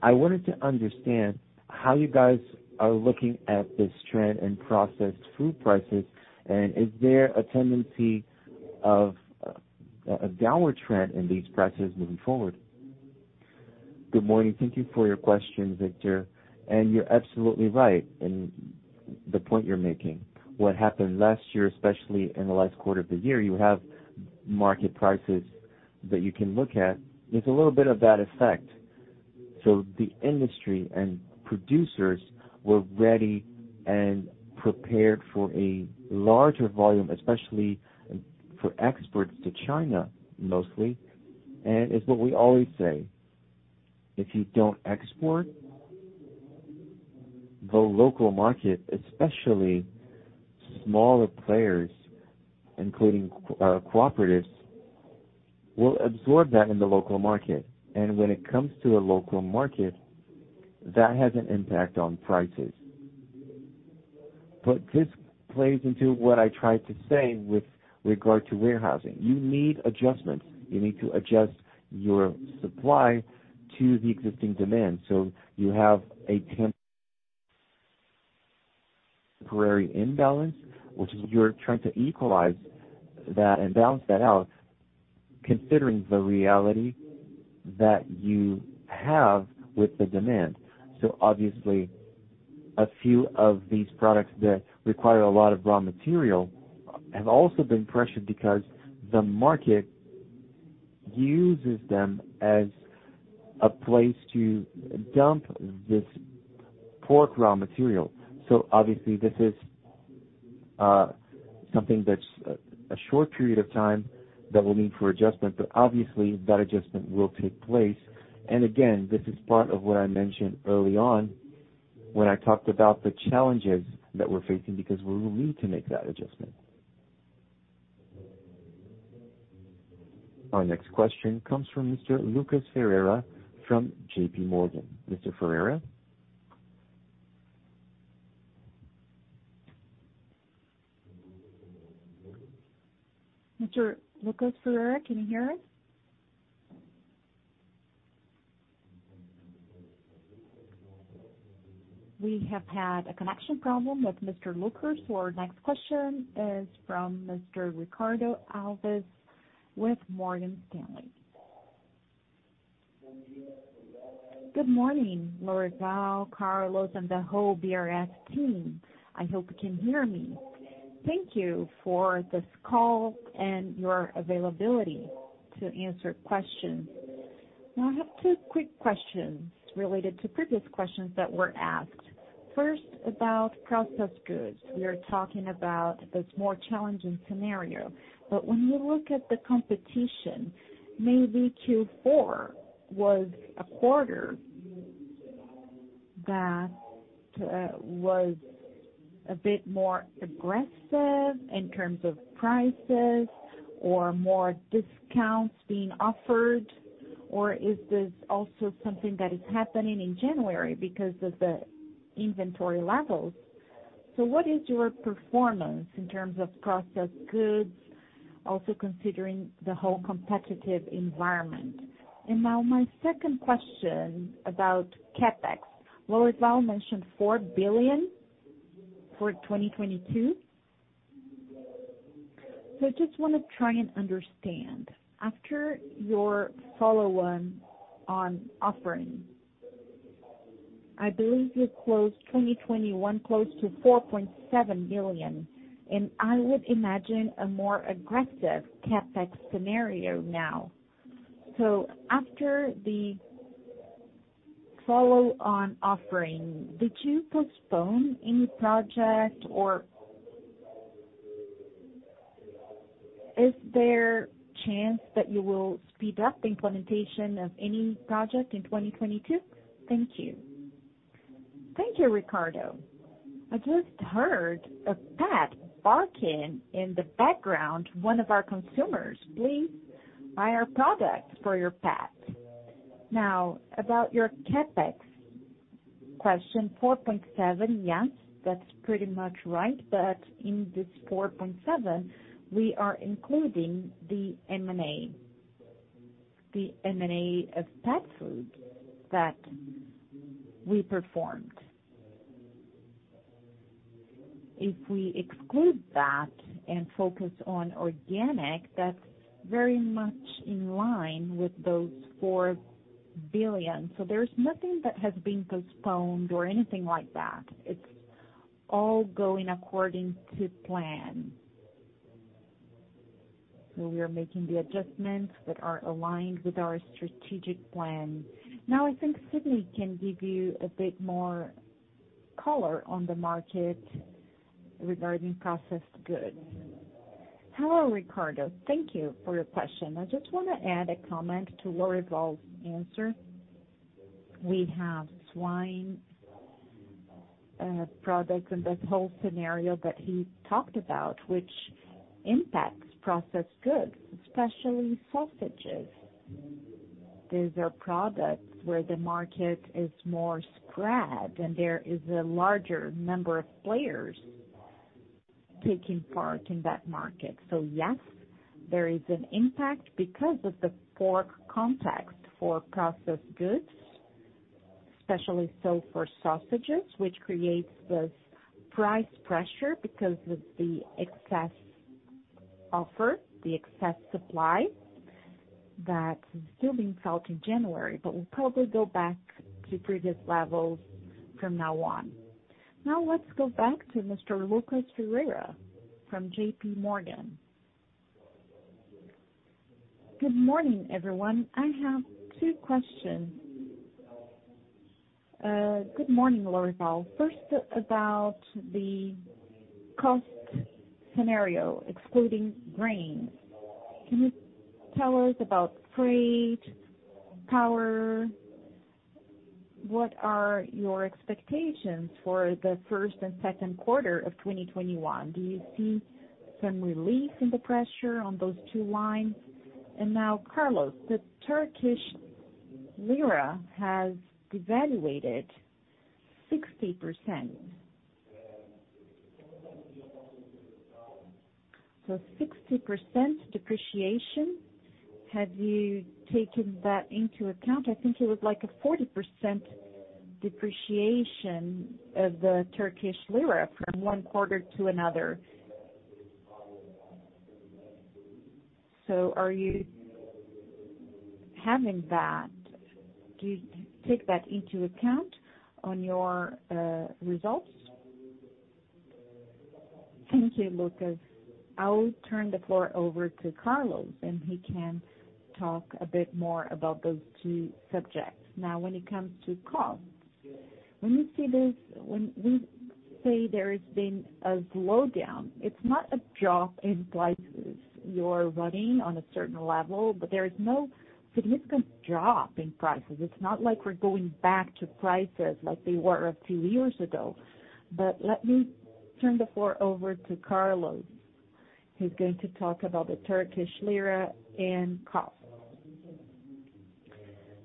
I wanted to understand how you guys are looking at this trend in processed food prices, and is there a tendency of a downward trend in these prices moving forward? Good morning. Thank you for your question, Victor. You're absolutely right in the point you're making. What happened last year, especially in the last quarter of the year, you have market prices that you can look at. There's a little bit of that effect. The industry and producers were ready and prepared for a larger volume, especially for exports to China, mostly. It's what we always say, if you don't export, the local market, especially smaller players, including cooperatives, will absorb that in the local market. When it comes to a local market, that has an impact on prices. This plays into what I tried to say with regard to warehousing. You need adjustments. You need to adjust your supply to the existing demand. You have a temporary imbalance, which is you're trying to equalize that and balance that out considering the reality that you have with the demand. Obviously, a few of these products that require a lot of raw material have also been pressured because the market uses them as a place to dump this pork raw material. Obviously, this is something that's a short period of time that will need for adjustment, but obviously that adjustment will take place. Again, this is part of what I mentioned early on when I talked about the challenges that we're facing because we will need to make that adjustment. Our next question comes from Mr. Lucas Ferreira from JP Morgan. Mr. Ferreira? Mr. Lucas Ferreira, can you hear us? We have had a connection problem with Mr. Lucas. Our next question is from Mr. Ricardo Alves with Morgan Stanley. Good morning, Lorival, Carlos, and the whole BRF team. I hope you can hear me. Thank you for this call and your availability to answer questions. Now I have two quick questions related to previous questions that were asked. First, about processed goods. We are talking about this more challenging scenario, but when you look at the competition, maybe Q4 was a quarter that was a bit more aggressive in terms of prices or more discounts being offered, or is this also something that is happening in January because of the inventory levels? So what is your performance in terms of processed goods, also considering the whole competitive environment? Now my second question about CapEx. Lorival mentioned 4 billion for 2022. I just wanna try and understand. After your follow-on offering, I believe you closed 2021 close to 4.7 billion, and I would imagine a more aggressive CapEx scenario now. After the follow-on offering, did you postpone any project or is there chance that you will speed up the implementation of any project in 2022? Thank you. Thank you, Ricardo. I just heard a pet barking in the background, one of our consumers. Please buy our product for your pet. Now, about your CapEx question, 4.7 billion, yes, that's pretty much right. But in this 4.7 billion, we are including the M&A, the M&A of pet food that we performed. If we exclude that and focus on organic, that's very much in line with those 4 billion. There's nothing that has been postponed or anything like that. It's all going according to plan. We are making the adjustments that are aligned with our strategic plan. Now I think Sidney can give you a bit more color on the market regarding processed goods. Hello, Ricardo. Thank you for your question. I just wanna add a comment to Lorival's answer. We have swine products in this whole scenario that he talked about, which impacts processed goods, especially sausages. These are products where the market is more spread and there is a larger number of players taking part in that market. Yes, there is an impact because of the pork context for processed goods, especially so for sausages, which creates this price pressure because of the excess offer, the excess supply that is still being felt in January, but will probably go back to previous levels from now on. Let's go back to Mr. Lucas Ferreira from JP Morgan. Good morning, everyone. I have two questions. Good morning, Lorival. First, about the cost scenario, excluding grain. Can you tell us about freight, power? What are your expectations for the first and second quarter of 2021? Do you see some relief in the pressure on those two lines? Now, Carlos, the Turkish lira has devalued 60%. 60% depreciation, have you taken that into account? I think it was like a 40% depreciation of the Turkish lira from one quarter to another. Do you take that into account on your results? Thank you, Lucas. I will turn the floor over to Carlos, and he can talk a bit more about those two subjects. Now, when it comes to cost, when we see this, when we say there has been a slowdown, it's not a drop in prices. You're running on a certain level, but there is no significant drop in prices. It's not like we're going back to prices like they were a few years ago. Let me turn the floor over to Carlos, who's going to talk about the Turkish lira and cost.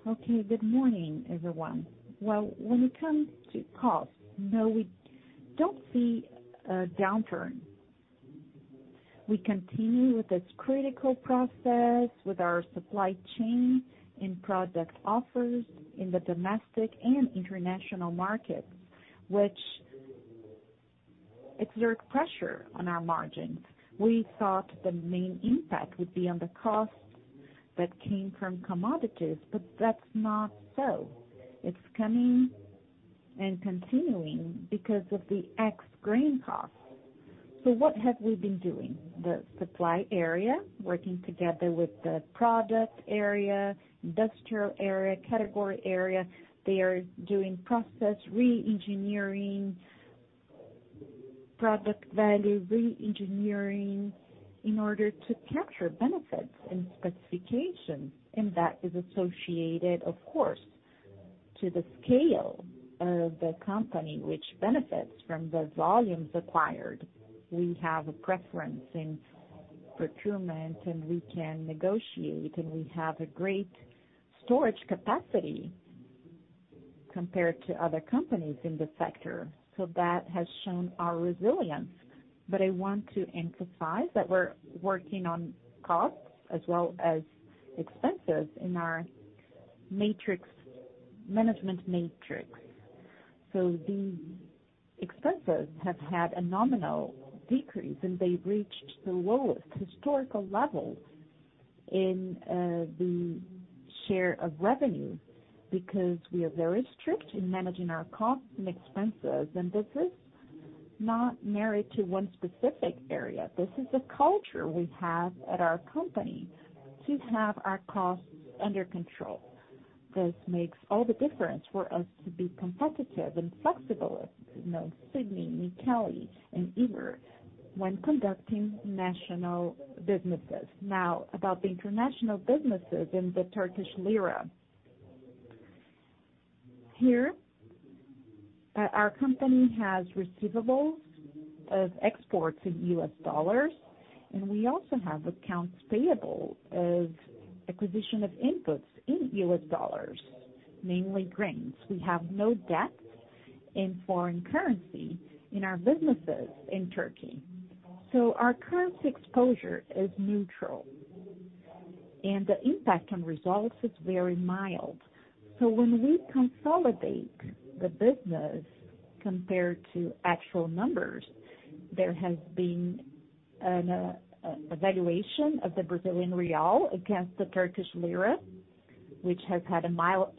Okay. Good morning, everyone. Well, when it comes to cost, no, we don't see a downturn. We continue with this critical pressure on our supply chain and product offerings in the domestic and international markets, which exert pressure on our margins. We thought the main impact would be on the costs that came from commodities, but that's not so. It's coming and continuing because of the ex-grain costs. What have we been doing? The supply area, working together with the product area, industrial area, category area, they are doing process re-engineering, product value re-engineering in order to capture benefits and specifications, and that is associated, of course, to the scale of the company which benefits from the volumes acquired. We have a preference in procurement, and we can negotiate, and we have a great storage capacity compared to other companies in the sector. That has shown our resilience. I want to emphasize that we're working on costs as well as expenses in our matrix management matrix. The expenses have had a nominal decrease, and they've reached the lowest historical levels in the share of revenue because we are very strict in managing our costs and expenses. This is not married to one specific area. This is a culture we have at our company to have our costs under control. This makes all the difference for us to be competitive and flexible as, you know, Sidney, Michele, and Igor when conducting national businesses. Now, about the international businesses in the Turkish lira. Here, our company has receivables of exports in US dollars, and we also have accounts payable as acquisition of inputs in US dollars, mainly grains. We have no debt in foreign currency in our businesses in Turkey. Our currency exposure is neutral, and the impact on results is very mild. When we consolidate the business compared to actual numbers, there has been a devaluation of the Brazilian real against the Turkish lira, which has had a mild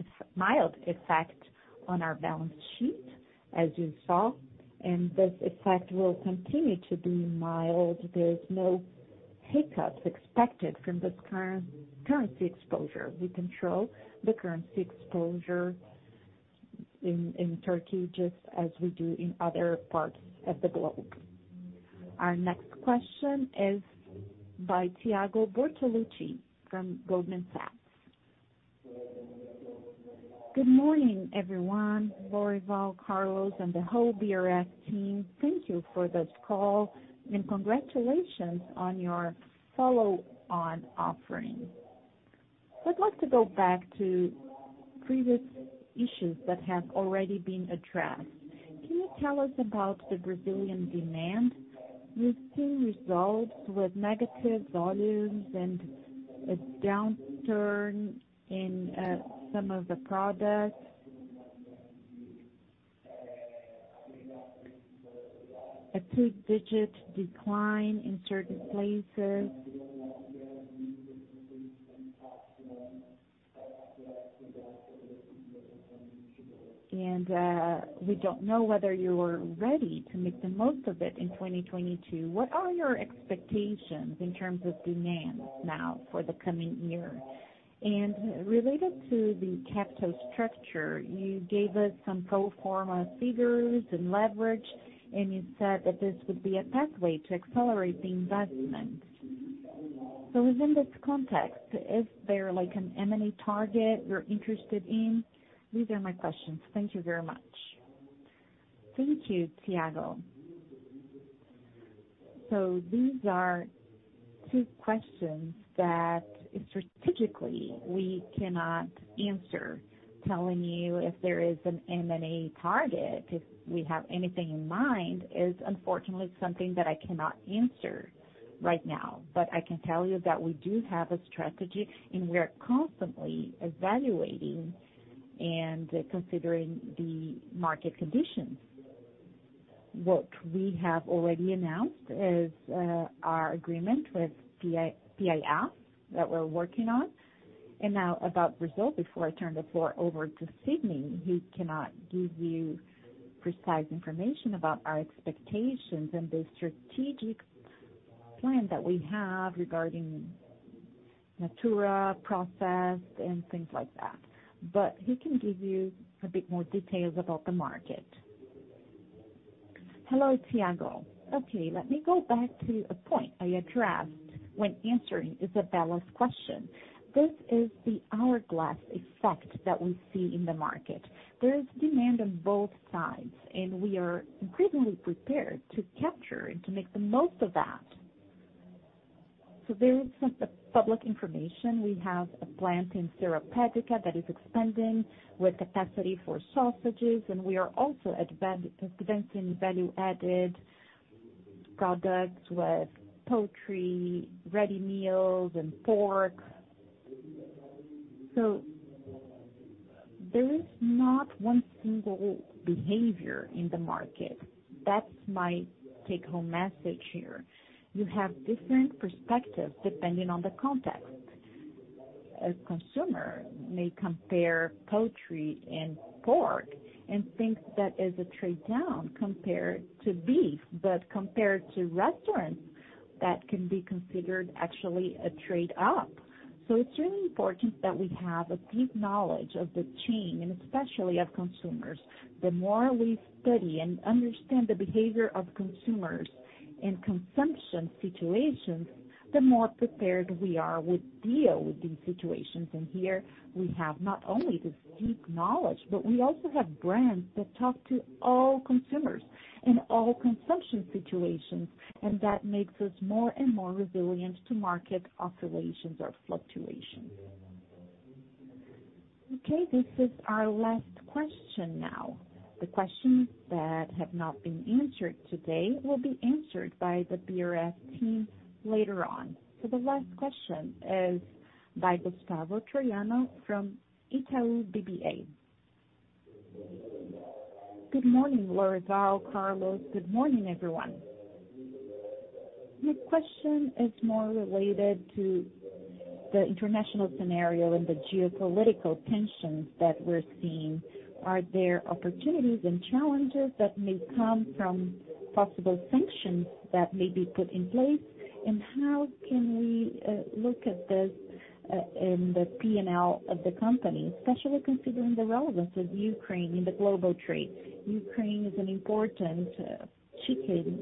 effect on our balance sheet, as you saw, and this effect will continue to be mild. There is no hiccup expected from this currency exposure. We control the currency exposure in Turkey just as we do in other parts of the globe. Our next question is by Thiago Bortoluci from Goldman Sachs. Good morning, everyone, Lorival, Carlos, and the whole BRF team. Thank you for this call, and congratulations on your follow-on offering. I'd like to go back to previous issues that have already been addressed. Can you tell us about the Brazilian demand? You've seen results with negative volumes and a downturn in some of the products. A two-digit decline in certain places. We don't know whether you're ready to make the most of it in 2022. What are your expectations in terms of demand now for the coming year? Related to the capital structure, you gave us some pro forma figures and leverage, and you said that this would be a pathway to accelerate the investment. Within this context, is there like an M&A target you're interested in? These are my questions. Thank you very much. Thank you, Thiago. These are two questions that strategically we cannot answer. Telling you if there is an M&A target, if we have anything in mind, is unfortunately something that I cannot answer right now. I can tell you that we do have a strategy, and we are constantly evaluating and considering the market conditions. What we have already announced is our agreement with PIF that we're working on. Now about Brazil, before I turn the floor over to Sidney, he cannot give you precise information about our expectations and the strategic plan that we have regarding Natura process and things like that. He can give you a bit more details about the market. Hello, Thiago. Okay, let me go back to a point I addressed when answering Isabella's question. This is the hourglass effect that we see in the market. There is demand on both sides, and we are incredibly prepared to capture and to make the most of that. There is some public information. We have a plant in Seropédica that is expanding with capacity for sausages, and we are also advancing value-added products with poultry, ready meals, and pork. There is not one single behavior in the market. That's my take-home message here. You have different perspectives depending on the context. A consumer may compare poultry and pork and think that is a trade-down compared to beef, but compared to restaurants, that can be considered actually a trade-up. It's really important that we have a deep knowledge of the chain and especially of consumers. The more we study and understand the behavior of consumers in consumption situations, the more prepared we are to deal with these situations. Here we have not only this deep knowledge, but we also have brands that talk to all consumers in all consumption situations, and that makes us more and more resilient to market oscillations or fluctuations. Okay, this is our last question now. The questions that have not been answered today will be answered by the BRF team later on. The last question is by Gustavo Troyano from Itaú BBA. Good morning, Lourival, Carlos. Good morning, everyone. My question is more related to the international scenario and the geopolitical tensions that we're seeing. Are there opportunities and challenges that may come from possible sanctions that may be put in place? And how can we look at this in the P&L of the company, especially considering the relevance of Ukraine in the global trade? Ukraine is an important chicken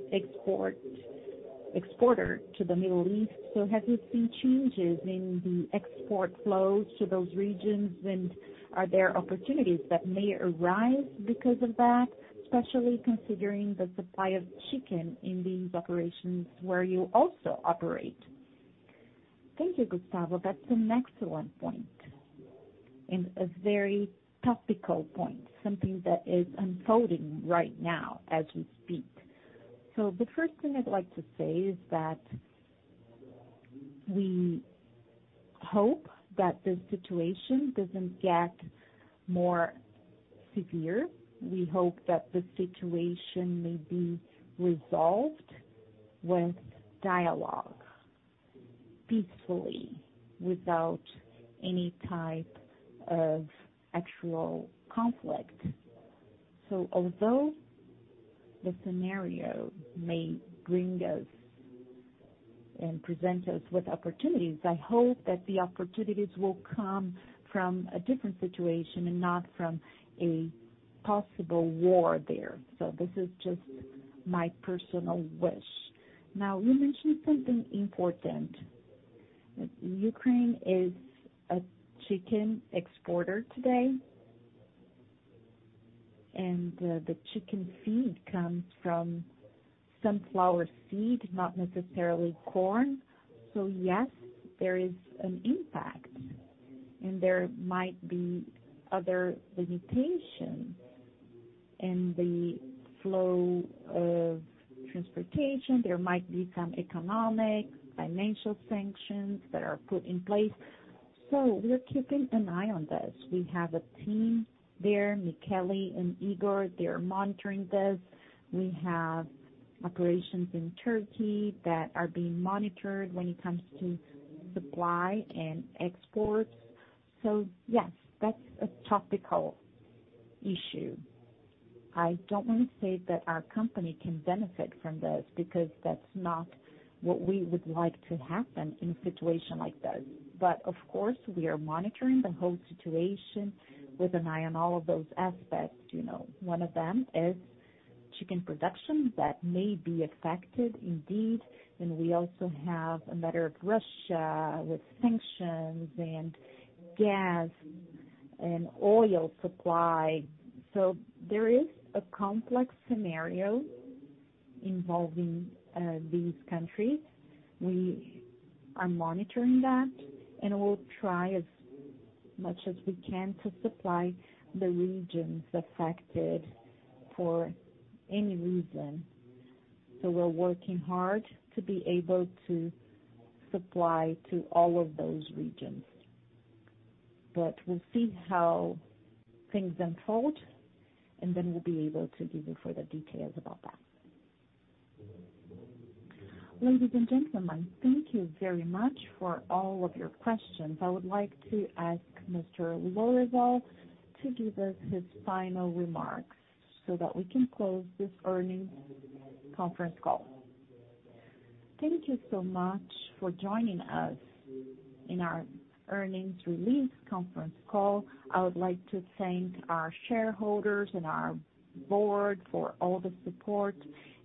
exporter to the Middle East, so have you seen changes in the export flows to those regions, and are there opportunities that may arise because of that, especially considering the supply of chicken in these operations where you also operate? Thank you, Gustavo. That's an excellent point and a very topical point, something that is unfolding right now as we speak. The first thing I'd like to say is that we hope that the situation doesn't get more severe. We hope that the situation may be resolved with dialogue peacefully, without any type of actual conflict. Although the scenario may bring us and present us with opportunities, I hope that the opportunities will come from a different situation and not from a possible war there. This is just my personal wish. Now, you mentioned something important. Ukraine is a chicken exporter today, and the chicken feed comes from sunflower seed, not necessarily corn. Yes, there is an impact, and there might be other limitations in the flow of transportation. There might be some economic financial sanctions that are put in place. We're keeping an eye on this. We have a team there, Michele and Igor, they're monitoring this. We have operations in Turkey that are being monitored when it comes to supply and exports. Yes, that's a topical issue. I don't want to say that our company can benefit from this because that's not what we would like to happen in a situation like this. Of course, we are monitoring the whole situation with an eye on all of those aspects, you know. One of them is chicken production that may be affected indeed, and we also have a matter of Russia with sanctions and gas and oil supply. There is a complex scenario involving these countries. We are monitoring that, and we'll try as much as we can to supply the regions affected for any reason. We're working hard to be able to supply to all of those regions. But we'll see how things unfold, and then we'll be able to give you further details about that. Ladies and gentlemen, thank you very much for all of your questions. I would like to ask Mr. Lourival to give us his final remarks so that we can close this earnings conference call. Thank you so much for joining us in our earnings release conference call. I would like to thank our shareholders and our board for all the support,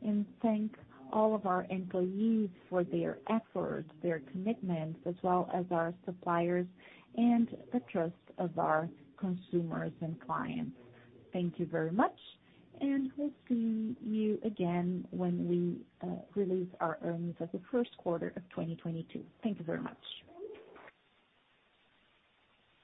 and thank all of our employees for their effort, their commitment, as well as our suppliers and the trust of our consumers and clients. Thank you very much, and we'll see you again when we release our earnings for the first quarter of 2022. Thank you very much.